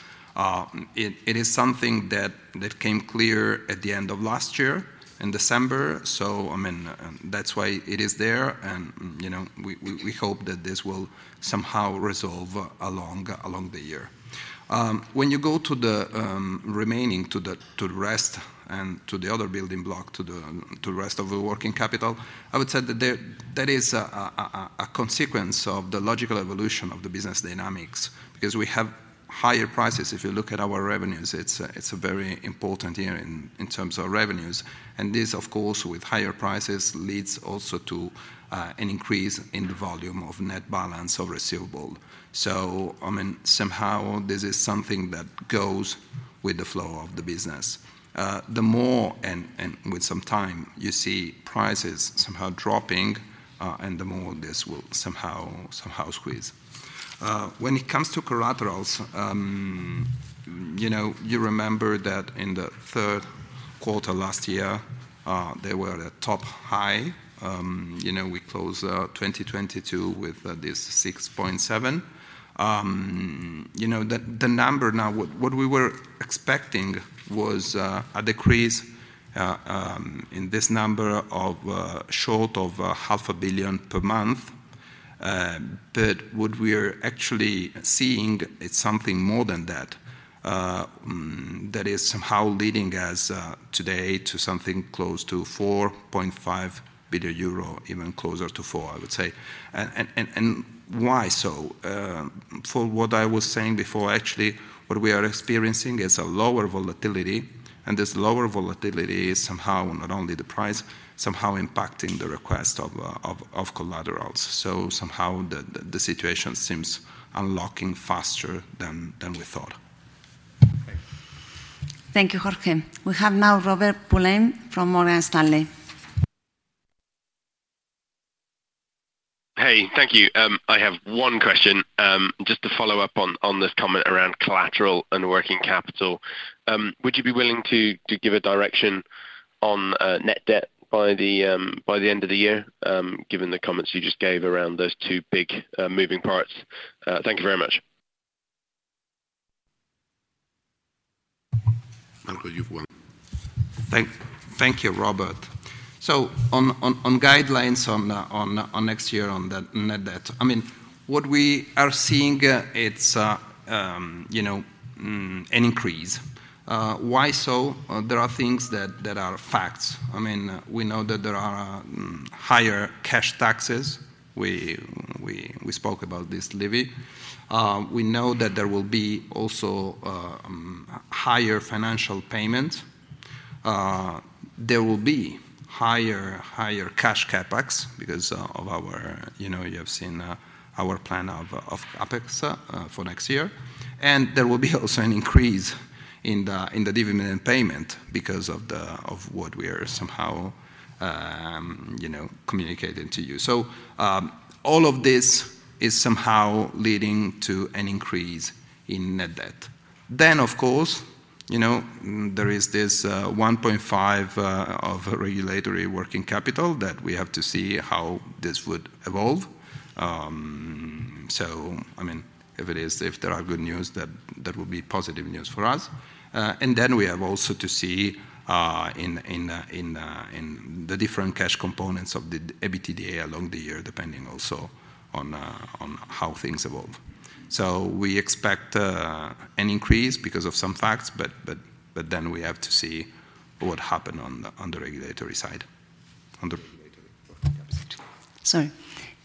It is something that came clear at the end of last year in December, so I mean, that's why it is there. You know, we hope that this will somehow resolve along the year. When you go to the remaining, to the rest and to the other building block, to the rest of the working capital, I would say that is a consequence of the logical evolution of the business dynamics. We have higher prices, if you look at our revenues, it's a very important year in terms of revenues. This, of course, with higher prices, leads also to an increase in the volume of net balance of receivable. I mean, somehow this is something that goes with the flow of the business. The more and with some time, you see prices somehow dropping, and the more this will somehow squeeze. When it comes to collaterals, you know, you remember that in the third quarter last year, they were at a top high. You know, we closed 2022 with this 6.7 billion. You know, the number now, what we were expecting was a decrease in this number of short of half a billion EUR per month. But what we are actually seeing, it's something more than that is somehow leading us today to something close to 4.5 billion euro, even closer to 4 billion, I would say. Why so? For what I was saying before, actually, what we are experiencing is a lower volatility, and this lower volatility is somehow not only the price, somehow impacting the request of collaterals. Somehow the situation seems unlocking faster than we thought. Thank you. Thank you, Jorge. We have now Robert Pulleyn from Morgan Stanley. Hey. Thank you. I have one question, just to follow up on this comment around collateral and working capital. Would you be willing to give a direction on net debt by the end of the year, given the comments you just gave around those two big moving parts? Thank you very much. Marco, you've won. Thank you, Robert. On guidelines on next year on net debt, I mean, what we are seeing it's, you know, an increase. Why so? There are things that are facts. I mean, we know that there are higher cash taxes. We spoke about this levy. We know that there will be also higher financial payment. There will be higher cash CapEx because of our. You know, you have seen our plan of OpEx for next year. There will be also an increase in the dividend payment because of what we are somehow, you know, communicating to you. All of this is somehow leading to an increase in net debt. Of course, you know, there is this 1.5 of regulatory working capital that we have to see how this would evolve. I mean, if it is, if there are good news, that would be positive news for us. We have also to see in the different cash components of the EBITDA along the year, depending also on how things evolve. We expect an increase because of some facts, but then we have to see what happened on the regulatory side, on the regulatory working capital. Sorry.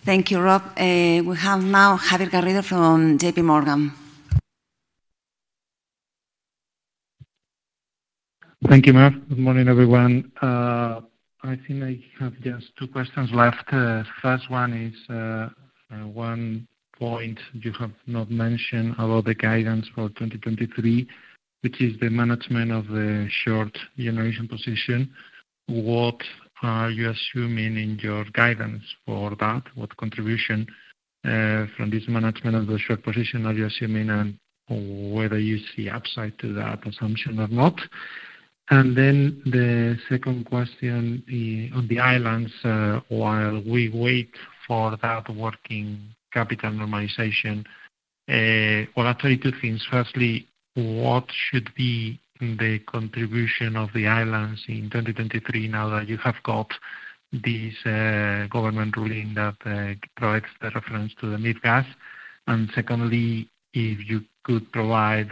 Thank you, Rob. We have now Javier Garrido from JPMorgan. Thank you, Mar. Good morning, everyone. I think I have just two questions left. First one is. One point you have not mentioned about the guidance for 2023, which is the management of the short generation position. What are you assuming in your guidance for that? What contribution from this management of the short position are you assuming, and whether you see upside to that assumption or not? The second question be on the islands, while we wait for that working capital normalization, well, actually two things. Firstly, what should be the contribution of the islands in 2023 now that you have got this government ruling that provides the reference to the mid-gas? Secondly, if you could provide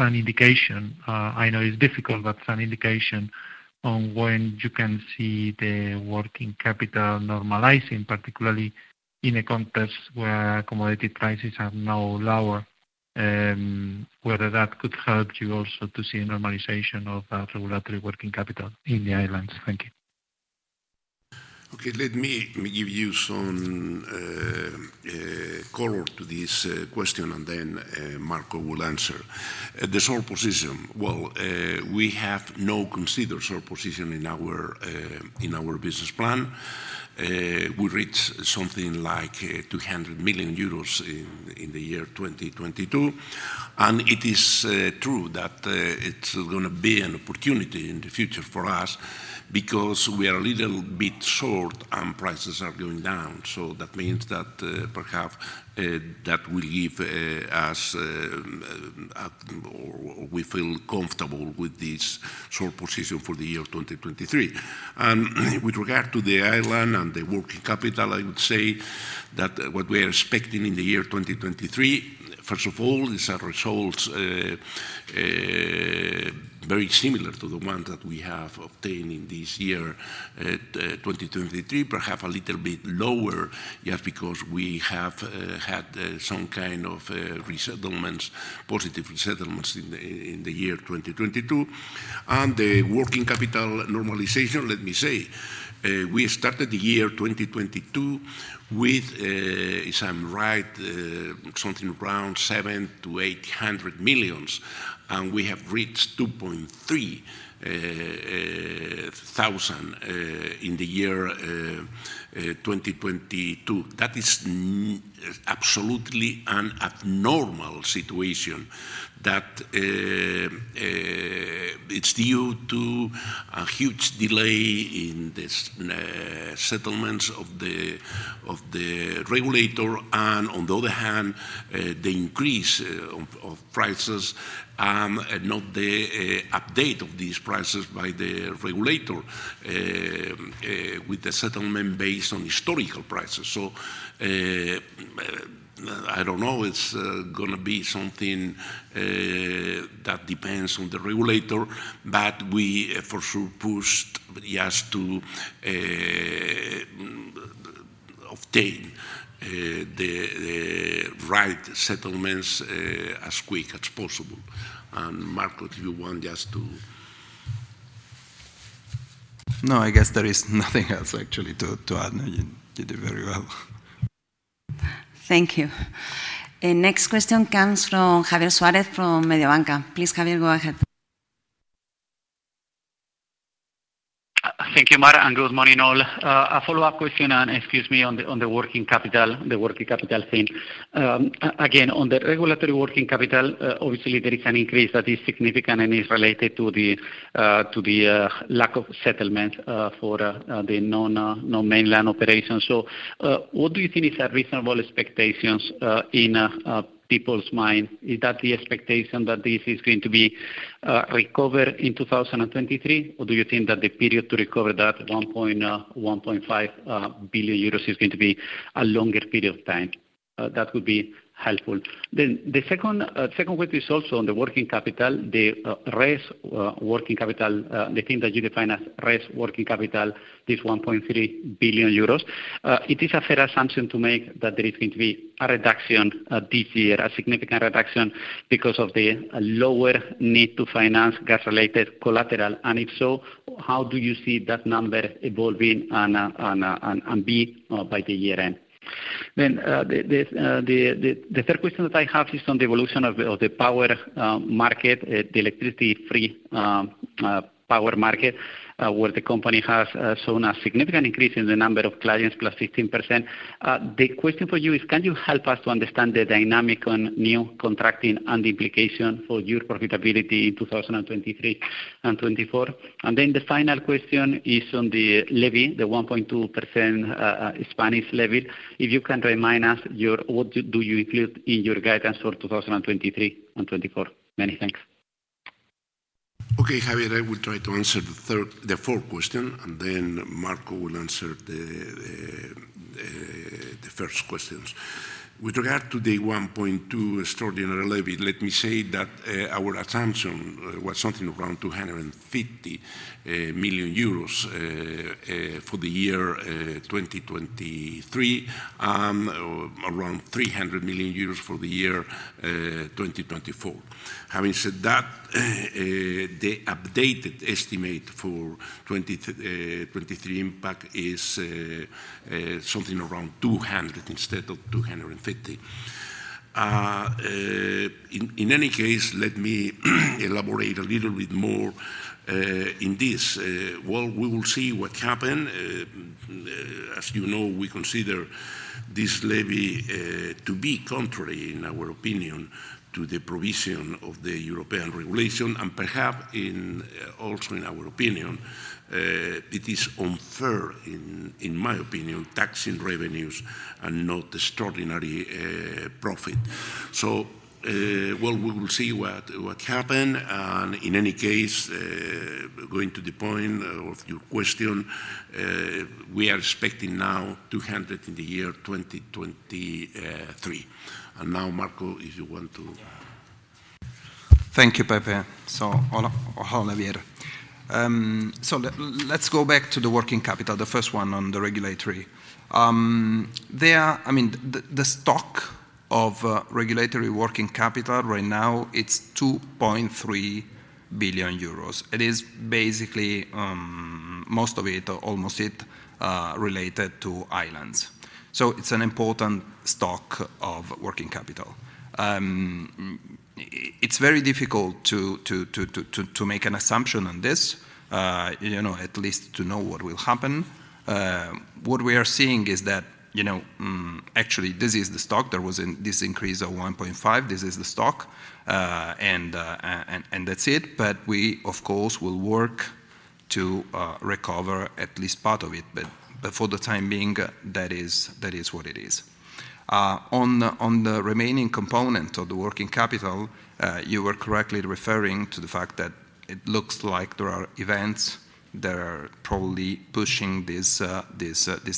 some indication, I know it's difficult, but some indication on when you can see the working capital normalizing, particularly in a context where commodity prices are now lower, whether that could help you also to see a normalization of that regulatory working capital in the islands. Thank you. Okay. Let me give you some color to this question. Marco will answer. The short position. We have not considered short position in our business plan. We reached something like 200 million euros in the year 2022. It is true that it's gonna be an opportunity in the future for us because we are a little bit short and prices are going down. That means that perhaps that will give us or we feel comfortable with this short position for the year 2023. With regard to the island and the working capital, I would say that what we are expecting in the year 2023, first of all, is our results very similar to the one that we have obtained in this year. 2023, perhaps a little bit lower, just because we have had some kind of resettlements, positive resettlements in the year 2022. The working capital normalization, let me say, we started the year 2022 with, if I'm right, something around 700 million-800 million, and we have reached 2.3 thousand in the year 2022. That is absolutely an abnormal situation. That it's due to a huge delay in this settlements of the regulator and, on the other hand, the increase of prices and not the update of these prices by the regulator with the settlement based on historical prices. I don't know, it's gonna be something that depends on the regulator, but we for sure pushed just to obtain the right settlements as quick as possible. Marco, do you want just to? No, I guess there is nothing else actually to add. No, you did it very well. Thank you. Next question comes from Javier Suarez from Mediobanca. Please, Javier, go ahead. Thank you, Mar, and good morning, all. A follow-up question, and excuse me, on the working capital, the working capital thing. Again, on the regulatory working capital, obviously there is an increase that is significant and is related to the lack of settlement for the non-mainland operations. What do you think is a reasonable expectations in people's mind? Is that the expectation that this is going to be recovered in 2023? Or do you think that the period to recover that 1.5 billion euros is going to be a longer period of time? That would be helpful. The second one is also on the working capital, the RES working capital, the thing that you define as RES working capital, this 1.3 billion euros. It is a fair assumption to make that there is going to be a reduction this year, a significant reduction because of the lower need to finance gas-related collateral. If so, how do you see that number evolving on on on BE by the year-end? The third question that I have is on the evolution of the power market, the electricity-free power market, where the company has shown a significant increase in the number of clients, +15%. The question for you is can you help us to understand the dynamic on new contracting and the implication for your profitability in 2023 and 2024? The final question is on the levy, the 1.2%, Spanish levy. If you can remind us what do you include in your guidance for 2023 and 2024? Many thanks. Okay, Javier. I will try to answer the fourth question. Marco will answer the first questions. With regard to the 1.2% extraordinary levy, let me say that our assumption was something around 250 million euros for the year 2023, and around 300 million euros for the year 2024. Having said that, the updated estimate for 2023 impact is something around 200 instead of 250. In any case, let me elaborate a little bit more in this. Well, we will see what happen. As you know, we consider this levy to be contrary, in our opinion, to the provision of the European regulation, and perhaps in also in our opinion, it is unfair, in my opinion, taxing revenues and not extraordinary profit. Well, we will see what happen. In any case, going to the point of your question, we are expecting now 200 in the year 2023. Now, Marco, if you want to? Thank you, Pepe. Hola, Javier. Let's go back to the working capital, the first one on the regulatory. I mean, the stock of regulatory working capital right now, it's 2.3 billion euros. It is basically most of it or almost it related to islands. It's an important stock of working capital. It's very difficult to make an assumption on this, you know, at least to know what will happen. What we are seeing is that, you know, actually this is the stock. There was an increase of 1.5. This is the stock, and that's it. We, of course, will work to recover at least part of it. for the time being, that is what it is. On the remaining component of the working capital, you were correctly referring to the fact that it looks like there are events that are probably pushing this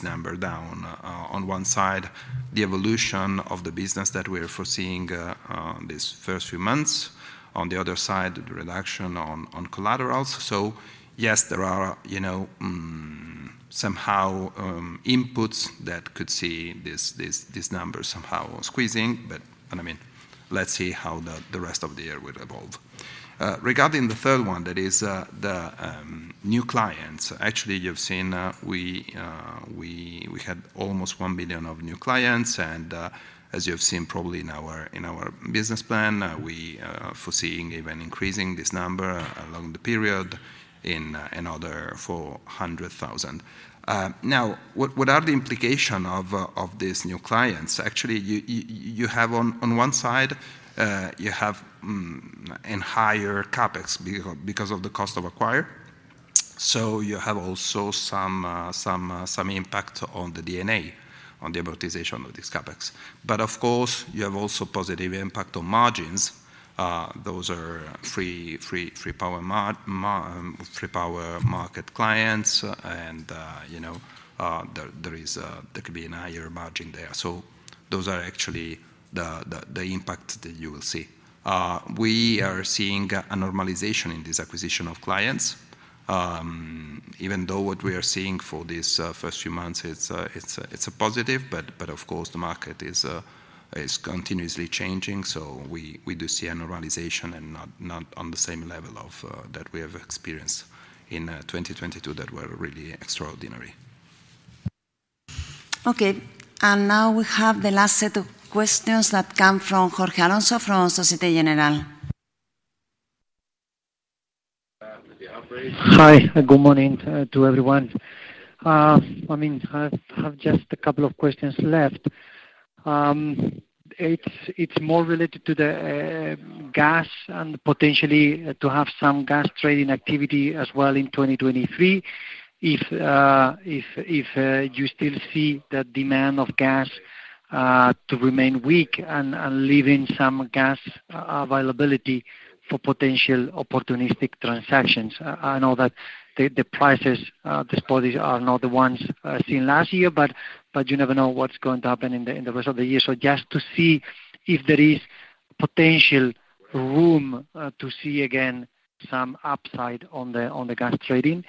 number down. On one side, the evolution of the business that we're foreseeing on these first few months, on the other side, the reduction on collaterals. Yes, there are, you know, somehow, inputs that could see this number somehow squeezing. I mean, let's see how the rest of the year will evolve. Regarding the third one, that is the new clients. You've seen, we had almost 1 billion of new clients, as you have seen probably in our business plan, we are foreseeing even increasing this number along the period in another 400,000. What are the implication of these new clients? You have on one side, you have a higher CapEx because of the cost of acquire. You have also some impact on the DNA, on the amortization of this CapEx. Of course, you have also positive impact on margins. Those are free, liberalized power market clients, you know, there could be a higher margin there. Those are actually the impact that you will see. We are seeing a normalization in this acquisition of clients. Even though what we are seeing for these first few months, it's a positive, but of course the market is continuously changing. We do see a normalization and not on the same level that we have experienced in 2022 that were really extraordinary. Okay. Now we have the last set of questions that come from Jorge Alonso from Société Générale. Hi, good morning to everyone. I mean, I have just a couple of questions left. It's more related to the gas and potentially to have some gas trading activity as well in 2023. If you still see the demand of gas to remain weak and leaving some gas availability for potential opportunistic transactions. I know that the prices this body are not the ones seen last year, but you never know what's going to happen in the rest of the year? Just to see if there is potential room to see again some upside on the gas trading.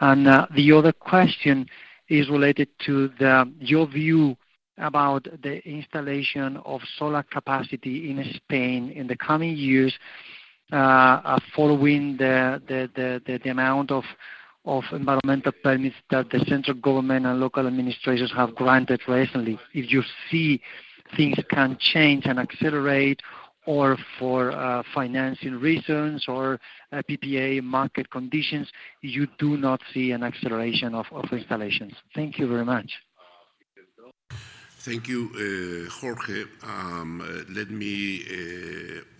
The other question is related to your view about the installation of solar capacity in Spain in the coming years, following the amount of environmental permits that the central government and local administrators have granted recently. If you see things can change and accelerate, or for financing reasons or PPA market conditions, you do not see an acceleration of installations? Thank you very much. Thank you, Jorge. Let me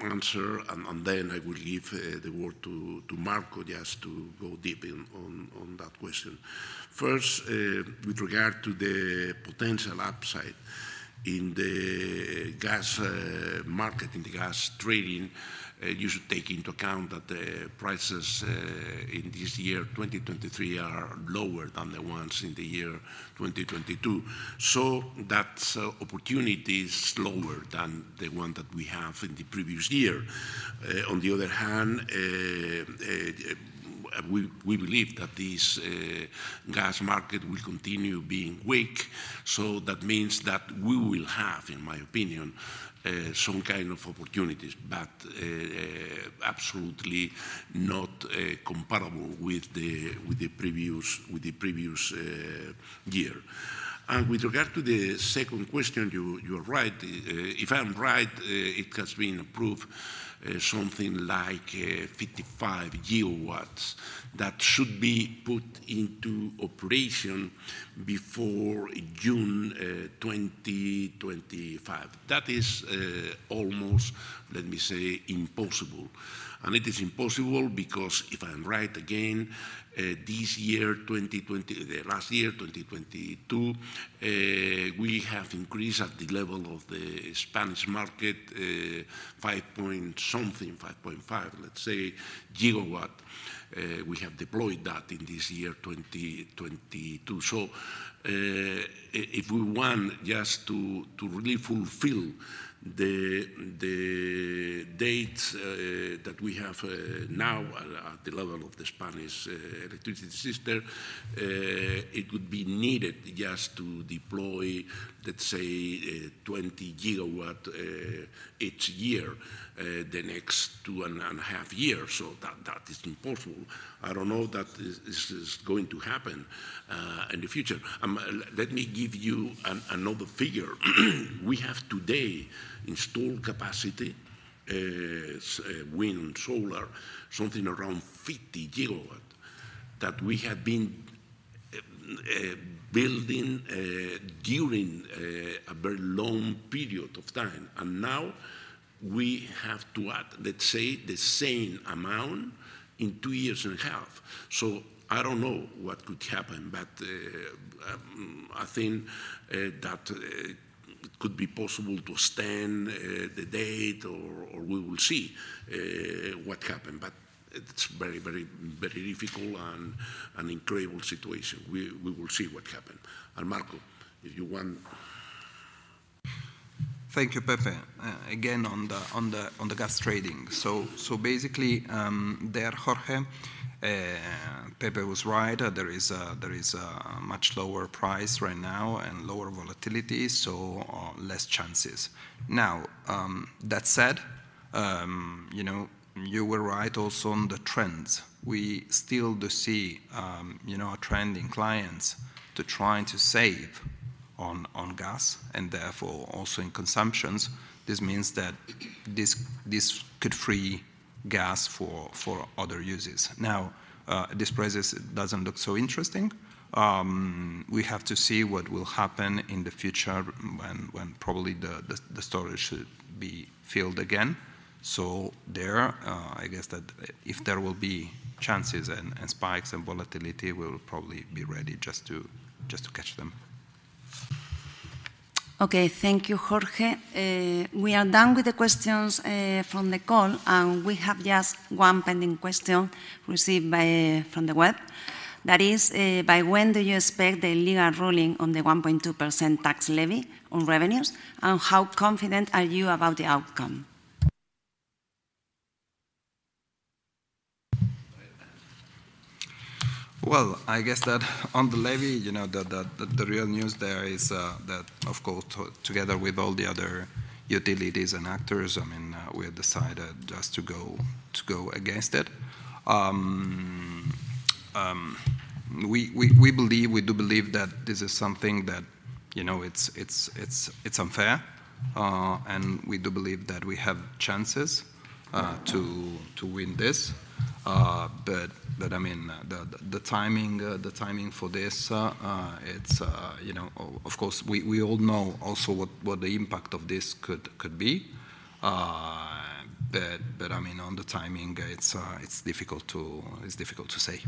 answer and then I will give the word to Marco just to go deep in on that question. First, with regard to the potential upside in the gas market, in the gas trading, you should take into account that the prices in this year, 2023, are lower than the ones in the year 2022. That opportunity is lower than the one that we have in the previous year. On the other hand, we believe that this gas market will continue being weak, so that means that we will have, in my opinion, some kind of opportunities, but absolutely not comparable with the previous year. With regard to the second question, you are right. If I'm right, it has been approved something like 55 GW that should be put into operation before June 2025. That is, almost, let me say, impossible. It is impossible because if I am right again, this year, the last year, 2022, we have increased at the level of the Spanish market, five-point something, 5.5, let's say, GW, we have deployed that in this year, 2022. If we want just to really fulfill the date that we have now at the level of the Spanish electricity system, it would be needed just to deploy, let's say, 20 GW each year, the next two and a half years. That is impossible. I don't know that this is going to happen in the future. Let me give you another figure. We have today installed capacity, wind, solar, something around 50 GW that we have been building during a very long period of time. Now we have to add, let's say, the same amount in two years and a half. I don't know what could happen, but I think that could be possible to extend the date or we will see what happen. It's very, very difficult and an incredible situation. We will see what happen. Marco, if you want? Thank you, Pepe. Again, on the gas trading. Basically, there, Jorge, Pepe was right. There is a much lower price right now and lower volatility, so less chances. That said, you know, you were right also on the trends. We still do see, you know, a trend in clients to trying to save on gas and therefore also in consumptions. This means that this could free gas for other uses. This prices doesn't look so interesting. We have to see what will happen in the future when probably the storage should be filled again. There, I guess that if there will be chances and spikes and volatility, we'll probably be ready just to catch them. Okay. Thank you, Jorge. We are done with the questions, from the call, and we have just one pending question received by, from the web. That is, by when do you expect the legal ruling on the 1.2% tax levy on revenues, and how confident are you about the outcome? Well, I guess that on the levy, you know, the real news there is that of course together with all the other utilities and actors, I mean, we have decided just to go against it. We do believe that this is something that, you know, it's unfair. We do believe that we have chances to win this. I mean, the timing for this, it's, you know. Of course we all know also what the impact of this could be. I mean, on the timing, it's difficult to say.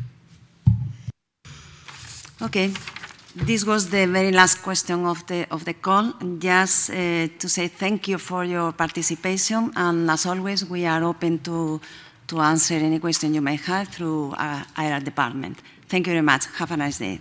Okay. This was the very last question of the call. Just to say thank you for your participation. As always, we are open to answer any question you may have through our IR department. Thank you very much. Have a nice day.